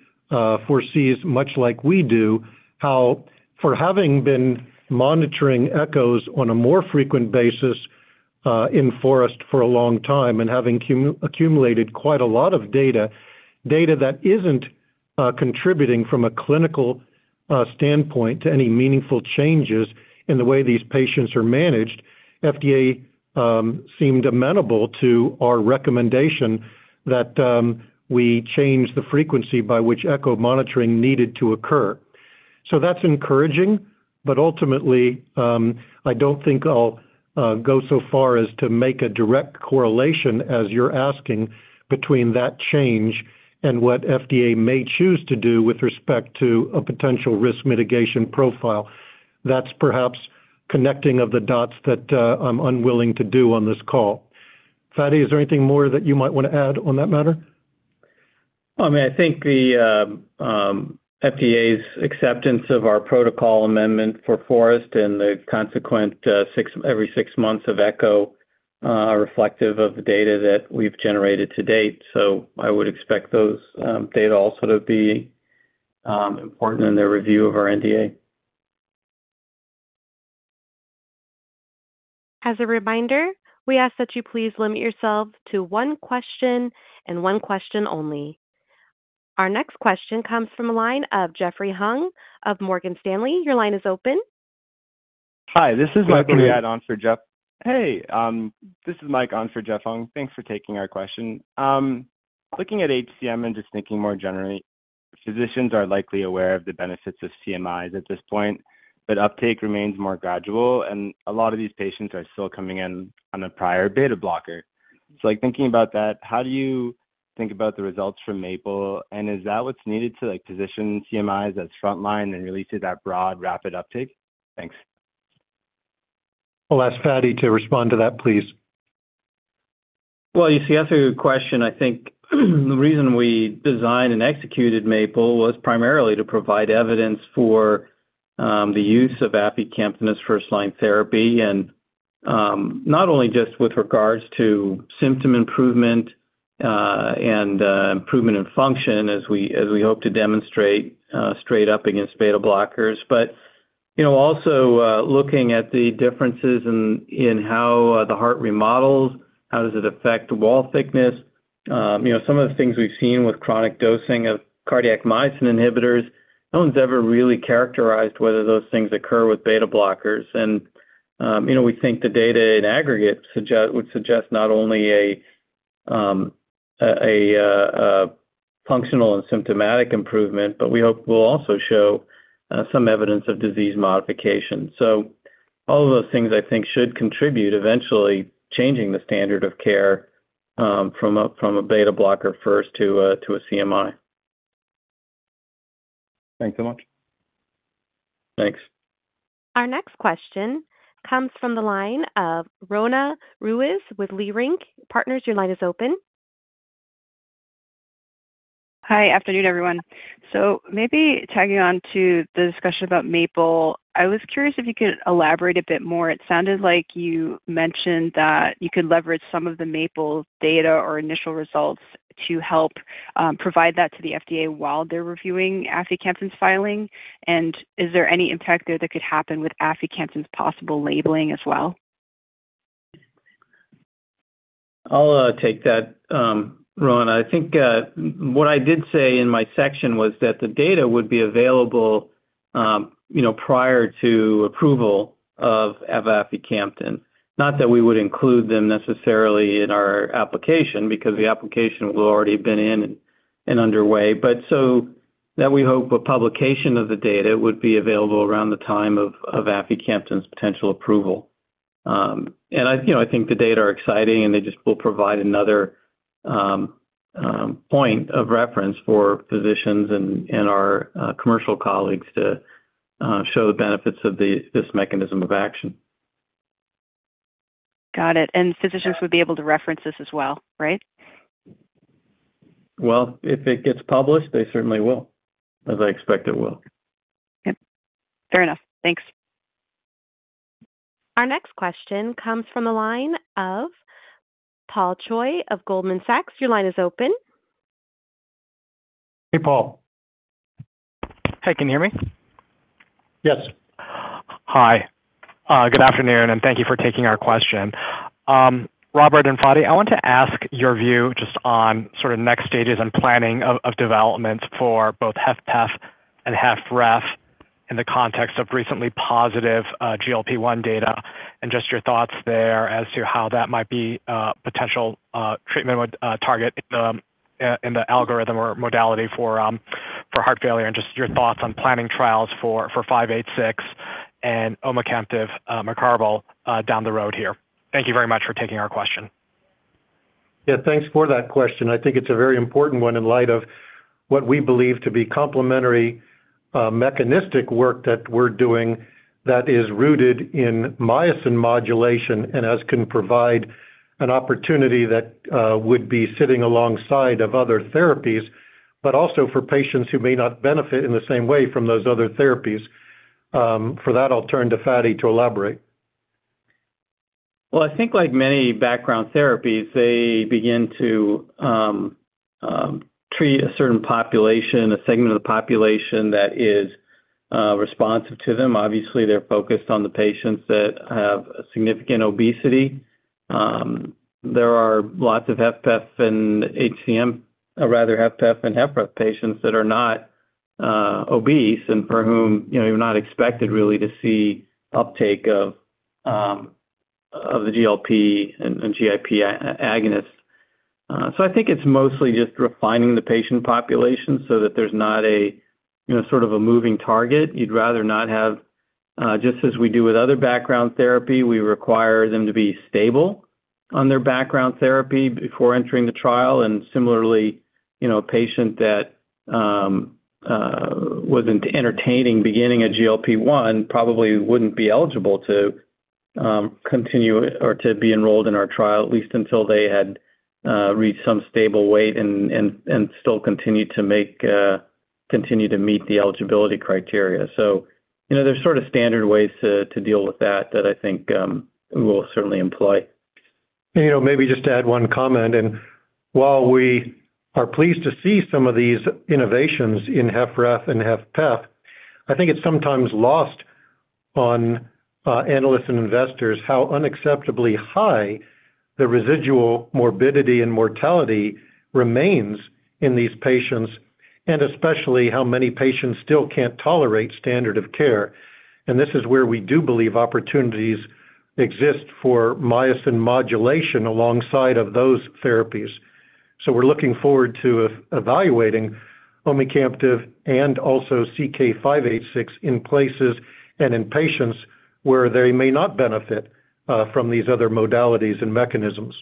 foresees, much like we do, how for having been monitoring echoes on a more frequent basis in FOREST for a long time and having accumulated quite a lot of data that isn't contributing from a clinical standpoint to any meaningful changes in the way these patients are managed. FDA seemed amenable to our recommendation that we change the frequency by which echo monitoring needed to occur. So that's encouraging, but ultimately, I don't think I'll go so far as to make a direct correlation, as you're asking, between that change and what FDA may choose to do with respect to a potential risk mitigation profile. That's perhaps connecting of the dots that I'm unwilling to do on this call. Fady, is there anything more that you might want to add on that matter? I mean, I think the FDA's acceptance of our protocol amendment for FOREST and the consequent every six months of echo are reflective of the data that we've generated to date. So I would expect those data also to be important in their review of our NDA. As a reminder, we ask that you please limit yourselves to one question and one question only. Our next question comes from the line of Jeffrey Hung of Morgan Stanley. Your line is open. Hi, this is Mike on for Jeff Hung. Thanks for taking our question. Looking at HCM and just thinking more generally, physicians are likely aware of the benefits of CMIs at this point, but uptake remains more gradual, and a lot of these patients are still coming in on a prior beta blocker. So, like, thinking about that, how do you think about the results from MAPLE, and is that what's needed to, like, position CMIs as frontline and really see that broad, rapid uptake? Thanks. I'll ask Fady to respond to that, please. Well, you see, that's a good question. I think, the reason we designed and executed MAPLE was primarily to provide evidence for, the use of aficamten as first-line therapy, and, not only just with regards to symptom improvement, and, improvement in function, as we hope to demonstrate, straight up against beta blockers. But, you know, also, looking at the differences in how the heart remodels, how does it affect wall thickness? You know, some of the things we've seen with chronic dosing of cardiac myosin inhibitors, no one's ever really characterized whether those things occur with beta blockers. And, you know, we think the data in aggregate would suggest not only a functional and symptomatic improvement, but we hope will also show some evidence of disease modification. So all of those things, I think, should contribute eventually changing the standard of care from a beta blocker first to a CMI. Thanks so much.... Thanks. Our next question comes from the line of Roanna Ruiz with Leerink Partners. Your line is open. Hi. Afternoon, everyone. So maybe tagging on to the discussion about MAPLE, I was curious if you could elaborate a bit more. It sounded like you mentioned that you could leverage some of the MAPLE data or initial results to help, provide that to the FDA while they're reviewing aficamten's filing. Is there any impact there that could happen with aficamten's possible labeling as well? I'll take that, Roanna. I think what I did say in my section was that the data would be available, you know, prior to approval of aficamten, not that we would include them necessarily in our application, because the application will already have been in and underway. But so that we hope a publication of the data would be available around the time of aficamten's potential approval. And I, you know, I think the data are exciting, and they just will provide another point of reference for physicians and our commercial colleagues to show the benefits of this mechanism of action. Got it. Physicians would be able to reference this as well, right? Well, if it gets published, they certainly will, as I expect it will. Yep, fair enough. Thanks. Our next question comes from the line of Paul Choi of Goldman Sachs. Your line is open. Hey, Paul. Hey, can you hear me? Yes. Hi, good afternoon, and thank you for taking our question. Robert and Fady, I want to ask your view just on sort of next stages and planning of development for both HFpEF and HFrEF in the context of recently positive GLP-1 data, and just your thoughts there as to how that might be potential treatment target in the algorithm or modality for heart failure, and just your thoughts on planning trials for CK-586 and omecamtiv mecarbil down the road here. Thank you very much for taking our question. Yeah, thanks for that question. I think it's a very important one in light of what we believe to be complementary, mechanistic work that we're doing that is rooted in myosin modulation, and as can provide an opportunity that, would be sitting alongside of other therapies, but also for patients who may not benefit in the same way from those other therapies. For that, I'll turn to Fady to elaborate. Well, I think like many background therapies, they begin to treat a certain population, a segment of the population that is responsive to them. Obviously, they're focused on the patients that have significant obesity. There are lots of HFpEF and HCM, or rather HFpEF and HFrEF patients that are not obese, and for whom, you know, you're not expected really to see uptake of the GLP and GIP agonists. So I think it's mostly just refining the patient population so that there's not a, you know, sort of a moving target. You'd rather not have, just as we do with other background therapy, we require them to be stable on their background therapy before entering the trial, and similarly, you know, a patient that wasn't entertaining beginning a GLP-1 probably wouldn't be eligible to continue or to be enrolled in our trial, at least until they had reached some stable weight and still continued to meet the eligibility criteria. So, you know, there's sort of standard ways to deal with that that I think we'll certainly employ. You know, maybe just to add one comment, and while we are pleased to see some of these innovations in HFrEF and HFpEF, I think it's sometimes lost on analysts and investors how unacceptably high the residual morbidity and mortality remains in these patients, and especially how many patients still can't tolerate standard of care. This is where we do believe opportunities exist for myosin modulation alongside of those therapies. So we're looking forward to evaluating omecamtiv and also CK-586 in places and in patients where they may not benefit from these other modalities and mechanisms.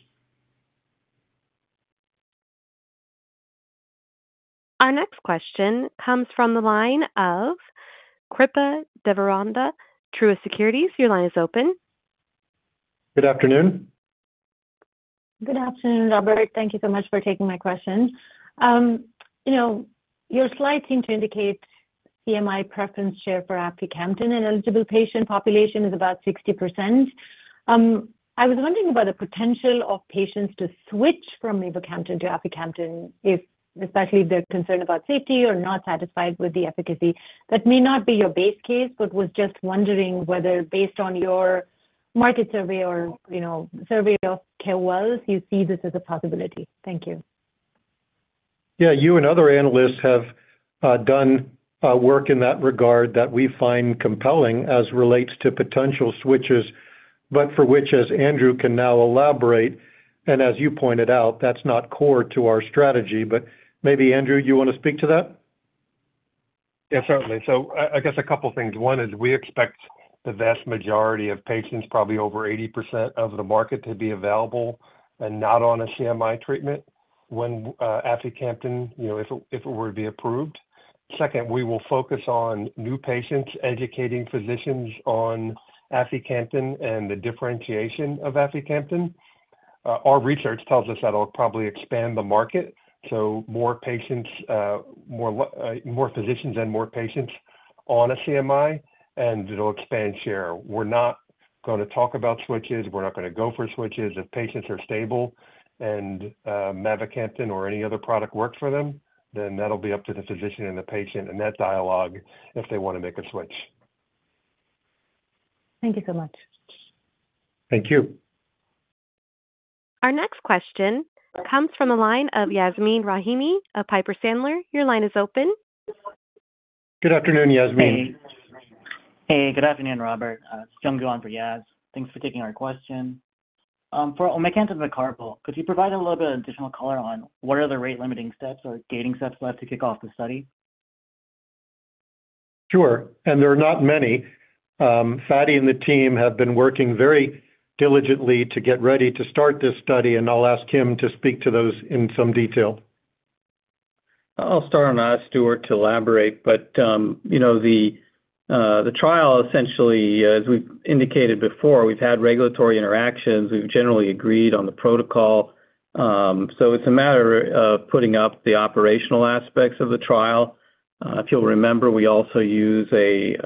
Our next question comes from the line of Kripa Devarakonda, Truist Securities. Your line is open. Good afternoon. Good afternoon, Robert. Thank you so much for taking my question. You know, your slides seem to indicate CMI preference share for aficamten in eligible patient population is about 60%. I was wondering about the potential of patients to switch from mavacamten to aficamten if, especially if they're concerned about safety or not satisfied with the efficacy. That may not be your base case, but was just wondering whether, based on your market survey or, you know, survey of KOLs, you see this as a possibility. Thank you. Yeah, you and other analysts have done work in that regard that we find compelling as relates to potential switches, but for which, as Andrew can now elaborate, and as you pointed out, that's not core to our strategy. But maybe, Andrew, you want to speak to that? Yeah, certainly. So I, I guess a couple things. One is we expect-... the vast majority of patients, probably over 80% of the market, to be available and not on a CMI treatment when aficamten, you know, if it were to be approved. Second, we will focus on new patients, educating physicians on aficamten and the differentiation of aficamten. Our research tells us that'll probably expand the market, so more patients, more physicians and more patients on a CMI, and it'll expand share. We're not gonna talk about switches. We're not gonna go for switches. If patients are stable on mavacamten or any other product works for them, then that'll be up to the physician and the patient in that dialogue, if they wanna make a switch. Thank you so much. Thank you. Our next question comes from the line of Yasmeen Rahimi of Piper Sandler. Your line is open. Good afternoon, Yasmeen. Hey. Hey, good afternoon, Robert. It's Jun Gwon for Yas. Thanks for taking our question. For omecamtiv mecarbil, could you provide a little bit of additional color on what are the rate-limiting steps or gating steps left to kick off the study? Sure, and there are not many. Fady and the team have been working very diligently to get ready to start this study, and I'll ask him to speak to those in some detail. I'll start and ask Stuart to elaborate, but you know, the trial, essentially, as we've indicated before, we've had regulatory interactions. We've generally agreed on the protocol, so it's a matter of putting up the operational aspects of the trial. If you'll remember, we also use a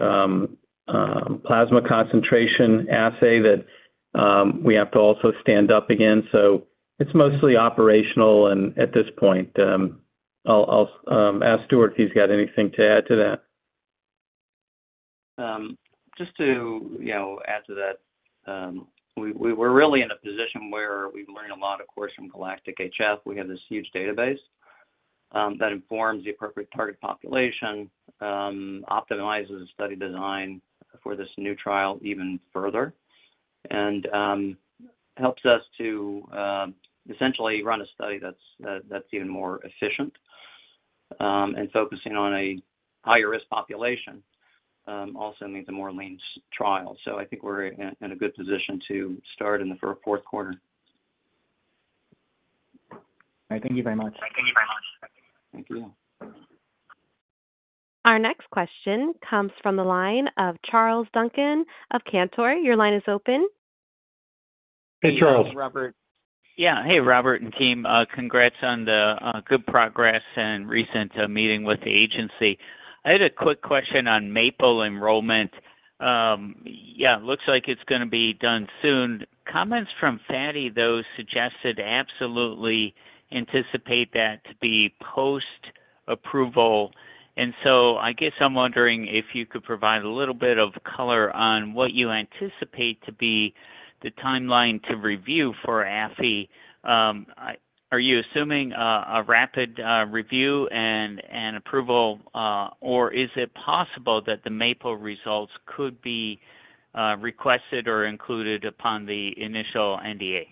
plasma concentration assay that we have to also stand up again. So it's mostly operational, and at this point, I'll ask Stuart if he's got anything to add to that. Just to, you know, add to that, we're really in a position where we've learned a lot, of course, from GALACTIC-HF. We have this huge database that informs the appropriate target population, optimizes the study design for this new trial even further, and helps us to essentially run a study that's even more efficient and focusing on a higher-risk population, also makes a more lean trial. So I think we're in a good position to start in the fourth quarter. All right. Thank you very much. Thank you. Our next question comes from the line of Charles Duncan of Cantor. Your line is open. Hey, Charles. Hey, Robert. Yeah. Hey, Robert and team. Congrats on the good progress and recent meeting with the agency. I had a quick question on MAPLE enrollment. Yeah, looks like it's gonna be done soon. Comments from Fady, though, suggested absolutely anticipate that to be post-approval, and so I guess I'm wondering if you could provide a little bit of color on what you anticipate to be the timeline to review for afi. Are you assuming a rapid review and approval, or is it possible that the MAPLE results could be requested or included upon the initial NDA?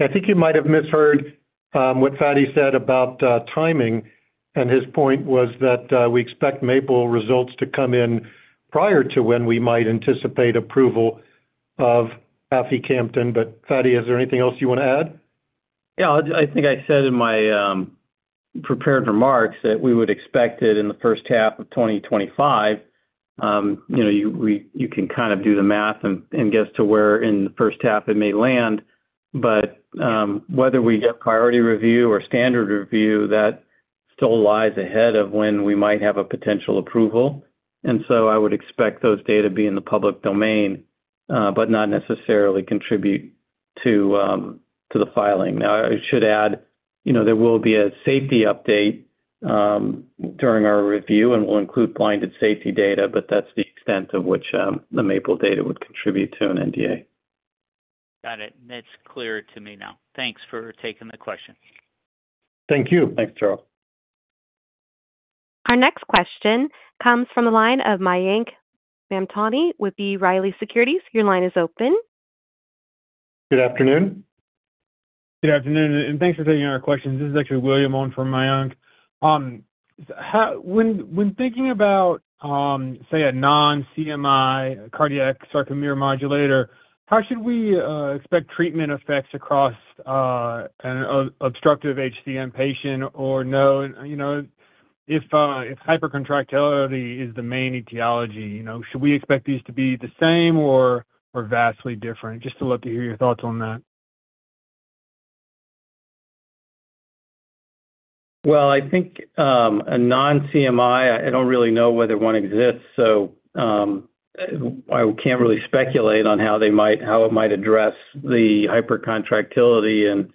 I think you might have misheard what Fady said about timing, and his point was that we expect MAPLE results to come in prior to when we might anticipate approval of aficamten. But Fady, is there anything else you want to add? Yeah. I, I think I said in my prepared remarks that we would expect it in the first half of 2025. You know, you can kind of do the math and guess to where in the first half it may land. But whether we get priority review or standard review, that still lies ahead of when we might have a potential approval. And so I would expect those data to be in the public domain, but not necessarily contribute to the filing. Now, I should add, you know, there will be a safety update during our review, and we'll include blinded safety data, but that's the extent to which the MAPLE data would contribute to an NDA. Got it. It's clear to me now. Thanks for taking the question. Thank you. Thanks, Charles. Our next question comes from the line of Mayank Mamtani with B. Riley Securities. Your line is open. Good afternoon. Good afternoon, and thanks for taking our questions. This is actually William on for Mayank. How, when thinking about, say, a non-CMI cardiac sarcomere modulator, how should we expect treatment effects across, an obstructive HCM patient or no, you know, if, if hypercontractility is the main etiology, you know, should we expect these to be the same or, or vastly different? Just would love to hear your thoughts on that. Well, I think, a non-CMI, I don't really know whether one exists, so, I can't really speculate on how they might—how it might address the hypercontractility in,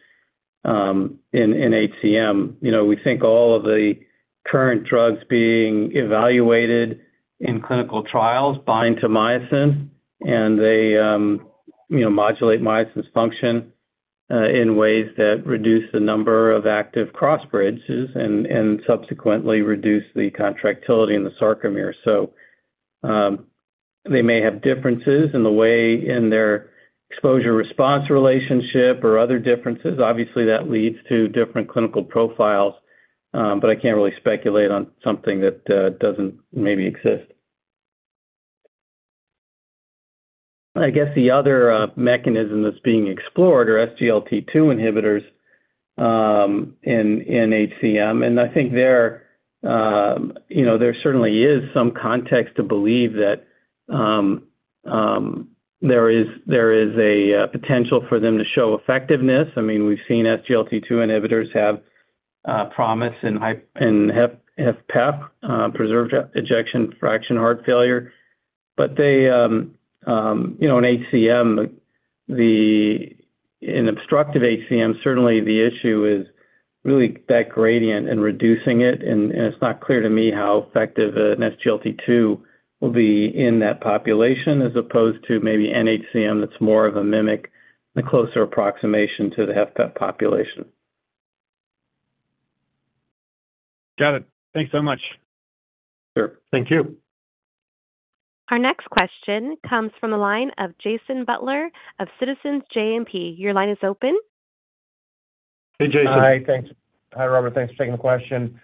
in HCM. You know, we think all of the current drugs being evaluated in clinical trials bind to myosin, and they, you know, modulate myosin's function, in ways that reduce the number of active cross-bridges and subsequently reduce the contractility in the sarcomere. So, they may have differences in the way, in their exposure-response relationship or other differences, obviously, that leads to different clinical profiles, but I can't really speculate on something that, doesn't maybe exist. I guess the other mechanism that's being explored are SGLT2 inhibitors, in HCM. And I think there, you know, there certainly is some context to believe that, there is a potential for them to show effectiveness. I mean, we've seen SGLT2 inhibitors have promise in in HFpEF, preserved ejection fraction heart failure. But they, you know, in HCM, in obstructive HCM, certainly the issue is really that gradient and reducing it, and it's not clear to me how effective an SGLT2 will be in that population, as opposed to maybe nHCM, that's more of a mimic, a closer approximation to the HFpEF population. Got it. Thanks so much. Sure. Thank you. Our next question comes from the line of Jason Butler of Citizens JMP. Your line is open. Hey, Jason. Hi, thanks. Hi, Robert. Thanks for taking the question.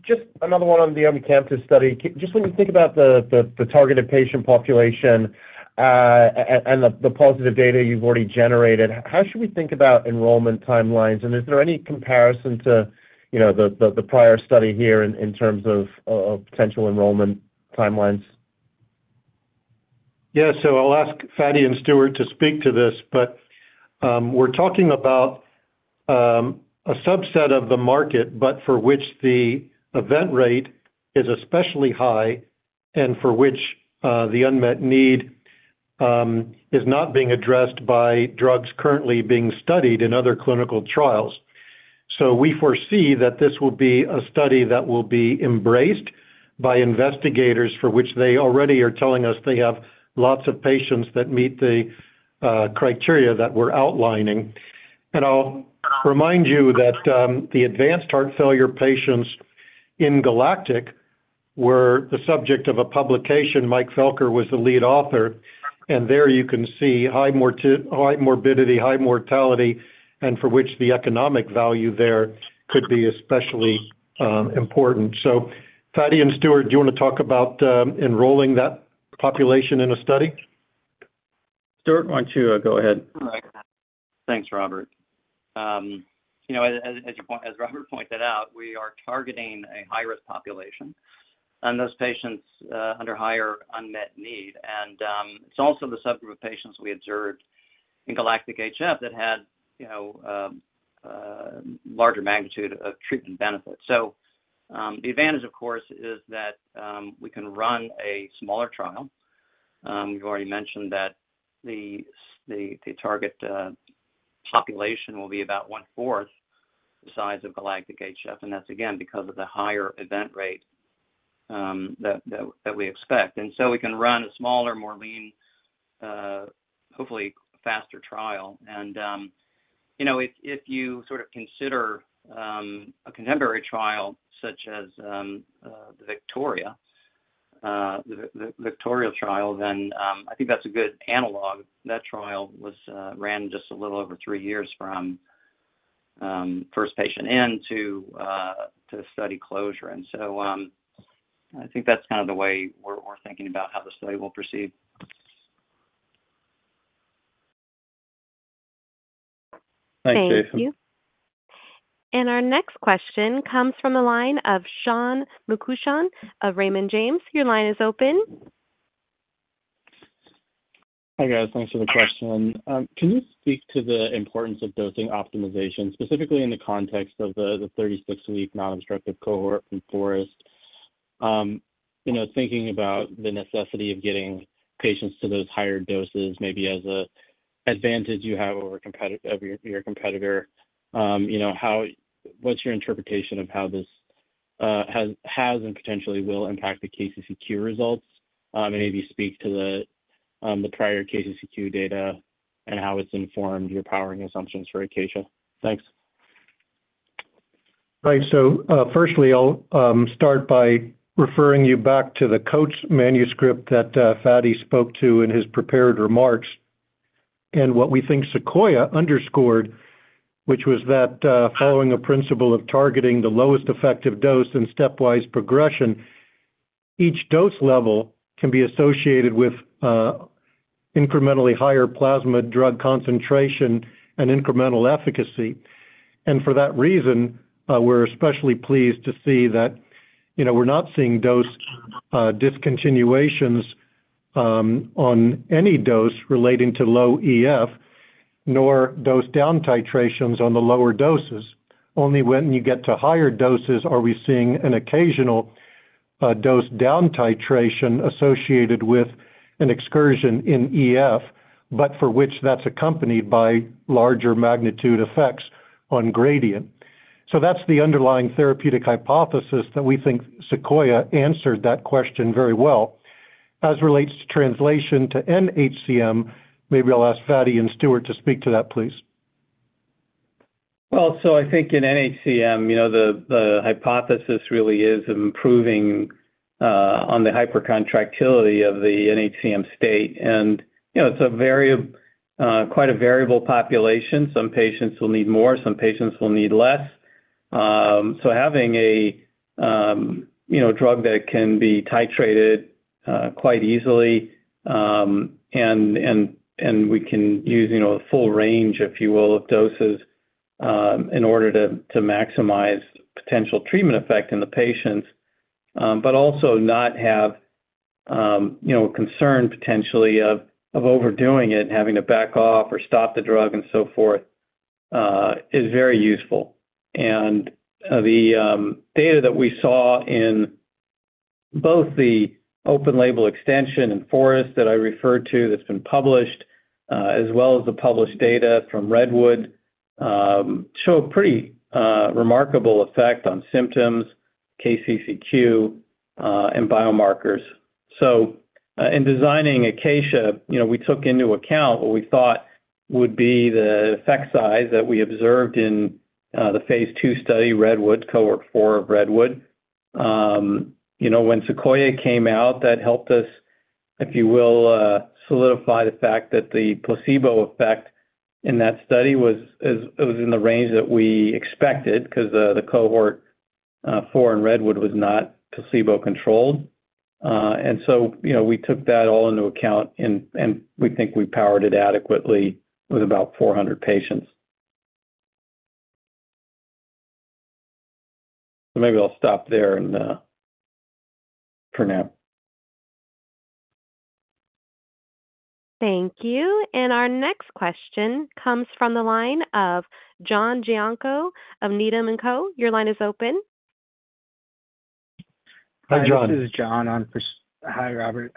Just another one on the omecamtiv study. Just when you think about the targeted patient population and the positive data you've already generated, how should we think about enrollment timelines? And is there any comparison to, you know, the prior study here in terms of potential enrollment timelines? Yeah, so I'll ask Fady and Stuart to speak to this, but we're talking about a subset of the market, but for which the event rate is especially high and for which the unmet need is not being addressed by drugs currently being studied in other clinical trials. So we foresee that this will be a study that will be embraced by investigators, for which they already are telling us they have lots of patients that meet the criteria that we're outlining. And I'll remind you that the advanced heart failure patients in GALACTIC were the subject of a publication. Mike Felker was the lead author, and there you can see high morbidity, high mortality, and for which the economic value there could be especially important. So Fady and Stuart, do you want to talk about enrolling that population in a study? Stuart, why don't you go ahead? All right. Thanks, Robert. You know, as Robert pointed out, we are targeting a high-risk population, and those patients with higher unmet need. And, it's also the subgroup of patients we observed in GALACTIC-HF that had, you know, larger magnitude of treatment benefit. So, the advantage, of course, is that, we can run a smaller trial. We've already mentioned that the target population will be about one-fourth the size of GALACTIC-HF, and that's again because of the higher event rate that we expect. And so we can run a smaller, more lean, hopefully faster trial. And, you know, if you sort of consider a contemporary trial such as the VICTORIA trial, then, I think that's a good analog. That trial was ran just a little over three years from first patient in to study closure. And so, I think that's kind of the way we're thinking about how the study will proceed. Thanks, Jason. Thank you. Our next question comes from the line of Sean McCutcheon of Raymond James. Your line is open. Hi, guys. Thanks for the question. Can you speak to the importance of dosing optimization, specifically in the context of the 36-week non-obstructive cohort in FOREST? You know, thinking about the necessity of getting patients to those higher doses, maybe as a advantage you have over a competitor of your competitor, you know, how... What's your interpretation of how this has and potentially will impact the KCCQ results? And maybe speak to the prior KCCQ data and how it's informed your powering assumptions for ACACIA. Thanks. Right. So, firstly, I'll start by referring you back to the COACH manuscript that Fady spoke to in his prepared remarks. And what we think SEQUOIA underscored, which was that, following a principle of targeting the lowest effective dose and stepwise progression, each dose level can be associated with incrementally higher plasma drug concentration and incremental efficacy. And for that reason, we're especially pleased to see that, you know, we're not seeing dose discontinuations on any dose relating to low EF, nor dose down titrations on the lower doses. Only when you get to higher doses are we seeing an occasional dose down titration associated with an excursion in EF, but for which that's accompanied by larger magnitude effects on gradient. So that's the underlying therapeutic hypothesis that we think SEQUOIA answered that question very well. As relates to translation to nHCM, maybe I'll ask Fady and Stuart to speak to that, please.... Well, so I think in nHCM, you know, the hypothesis really is improving on the hypercontractility of the nHCM state. And, you know, it's a very quite a variable population. Some patients will need more, some patients will need less. So having a, you know, drug that can be titrated quite easily, and we can use, you know, a full range, if you will, of doses, in order to maximize potential treatment effect in the patients, but also not have, you know, concern potentially of overdoing it, having to back off or stop the drug and so forth, is very useful. The data that we saw in both the open-label extension and FOREST that I referred to, that's been published, as well as the published data from REDWOOD, show a pretty remarkable effect on symptoms, KCCQ, and biomarkers. So, in designing ACACIA, you know, we took into account what we thought would be the effect size that we observed in the Phase II study, REDWOOD, Cohort 4 of REDWOOD. You know, when SEQUOIA came out, that helped us, if you will, solidify the fact that the placebo effect in that study was in the range that we expected, 'cause the Cohort 4 in REDWOOD was not placebo-controlled. And so, you know, we took that all into account and we think we powered it adequately with about 400 patients. Maybe I'll stop there and for now. Thank you. Our next question comes from the line of Serge Belanger of Needham & Company. Your line is open. Hi, Serge. This is Serge – hi, Robert.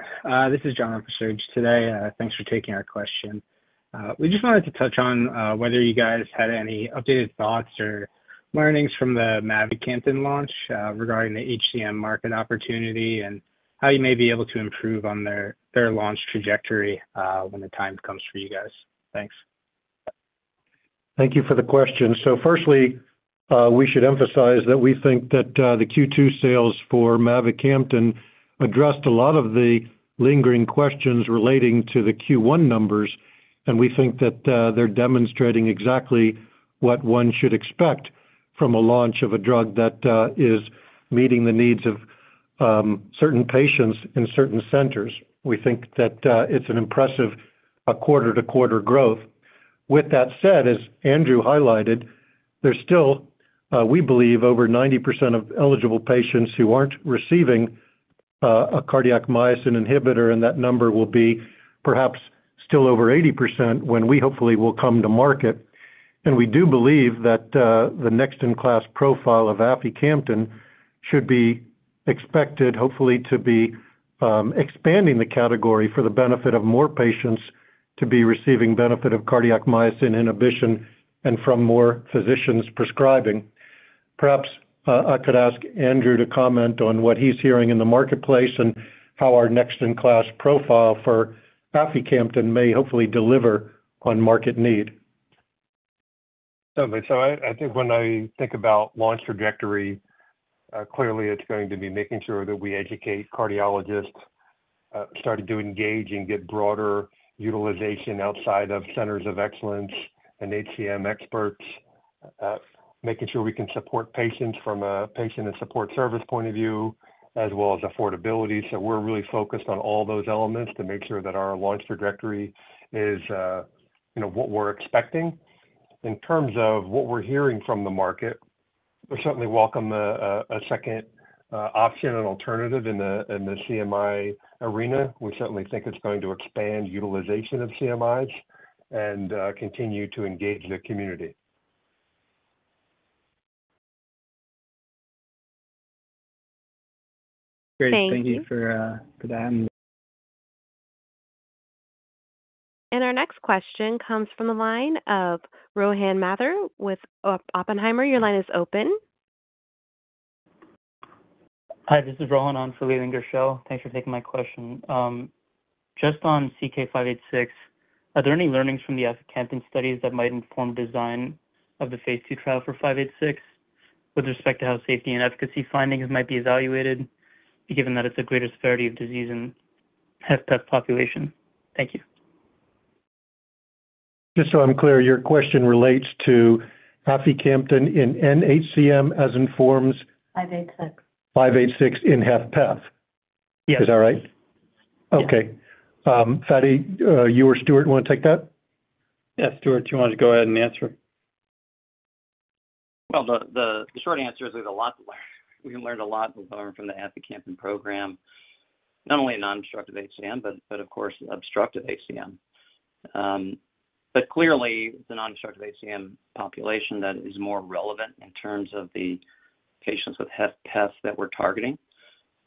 This is Serge Belanger or on research today. Thanks for taking our question. We just wanted to touch on whether you guys had any updated thoughts or learnings from the mavacamten launch regarding the HCM market opportunity, and how you may be able to improve on their launch trajectory when the time comes for you guys. Thanks. Thank you for the question. Firstly, we should emphasize that we think that the Q2 sales for mavacamten addressed a lot of the lingering questions relating to the Q1 numbers, and we think that they're demonstrating exactly what one should expect from a launch of a drug that is meeting the needs of certain patients in certain centers. We think that it's an impressive quarter-to-quarter growth. With that said, as Andrew highlighted, there's still, we believe, over 90% of eligible patients who aren't receiving a cardiac myosin inhibitor, and that number will be perhaps still over 80% when we hopefully will come to market. We do believe that the next-in-class profile of aficamten should be expected, hopefully, to be expanding the category for the benefit of more patients to be receiving benefit of cardiac myosin inhibition and from more physicians prescribing. Perhaps I could ask Andrew to comment on what he's hearing in the marketplace and how our next-in-class profile for aficamten may hopefully deliver on market need. Certainly. So I, I think when I think about launch trajectory, clearly it's going to be making sure that we educate cardiologists, start to do engage and get broader utilization outside of centers of excellence and HCM experts, making sure we can support patients from a patient and support service point of view, as well as affordability. So we're really focused on all those elements to make sure that our launch trajectory is, you know, what we're expecting. In terms of what we're hearing from the market, we certainly welcome a second option and alternative in the CMI arena. We certainly think it's going to expand utilization of CMIs and continue to engage the community. Thank you. Great. Thank you for that. Our next question comes from the line of Rohan Mathur with Oppenheimer. Your line is open. Hi, this is Rohan. I'm from Oppenheimer. Thanks for taking my question. Just on CK-586, are there any learnings from the aficamten studies that might inform design of the Phase II trial for 586, with respect to how safety and efficacy findings might be evaluated, given that it's a greater severity of disease in HFpEF population? Thank you. Just so I'm clear, your question relates to aficamten in nHCM, as informs- 586. CK-586 in HFpEF? Yes. Is that right? Yeah. Okay. Fady, you or Stuart wanna take that? Yeah, Stuart, do you want to go ahead and answer? Well, the short answer is there's a lot to learn. We learned a lot, we've learned from the aficamten program, not only in non-obstructive HCM, but of course in obstructive HCM. But clearly, the non-obstructive HCM population that is more relevant in terms of the patients with HFpEF that we're targeting.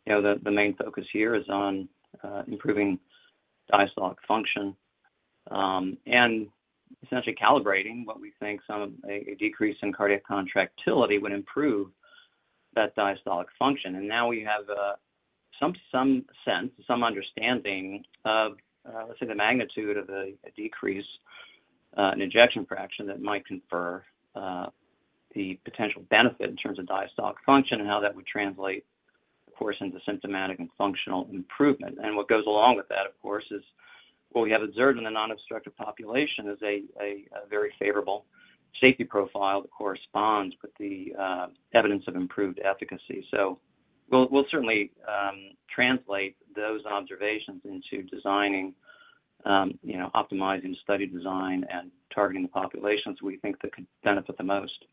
You know, the main focus here is on improving diastolic function, and essentially calibrating what we think some of a decrease in cardiac contractility would improve that diastolic function, and now we have some sense, some understanding of, let's say, the magnitude of a decrease in ejection fraction that might confer the potential benefit in terms of diastolic function and how that would translate, of course, into symptomatic and functional improvement. And what goes along with that, of course, is what we have observed in the non-obstructive population is a very favorable safety profile that corresponds with the evidence of improved efficacy. So we'll certainly translate those observations into designing, you know, optimizing study design and targeting the populations we think that could benefit the most.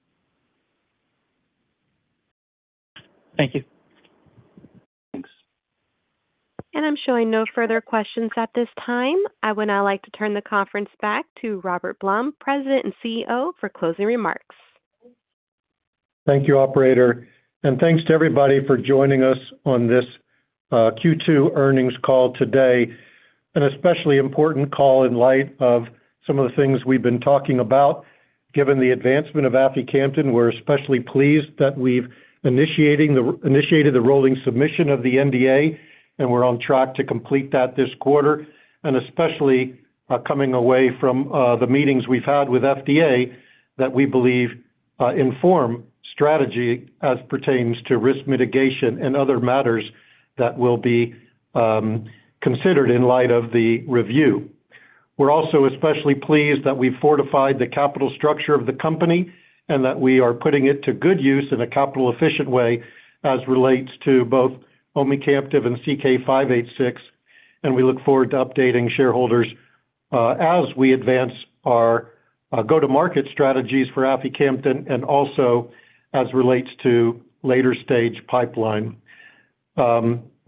Thank you. Thanks. I'm showing no further questions at this time. I would now like to turn the conference back to Robert Blum, President and CEO, for closing remarks. Thank you, operator, and thanks to everybody for joining us on this Q2 earnings call today. An especially important call in light of some of the things we've been talking about. Given the advancement of aficamten, we're especially pleased that we've initiated the rolling submission of the NDA, and we're on track to complete that this quarter, and especially, coming away from the meetings we've had with FDA, that we believe inform strategy as pertains to risk mitigation and other matters that will be considered in light of the review. We're also especially pleased that we've fortified the capital structure of the company, and that we are putting it to good use in a capital-efficient way as relates to both omecamtiv and CK-586. We look forward to updating shareholders, as we advance our go-to-market strategies for aficamten and also as relates to later-stage pipeline.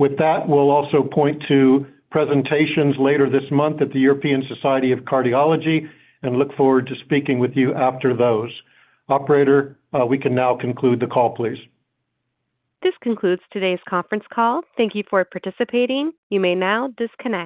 With that, we'll also point to presentations later this month at the European Society of Cardiology and look forward to speaking with you after those. Operator, we can now conclude the call, please. This concludes today's conference call. Thank you for participating. You may now disconnect.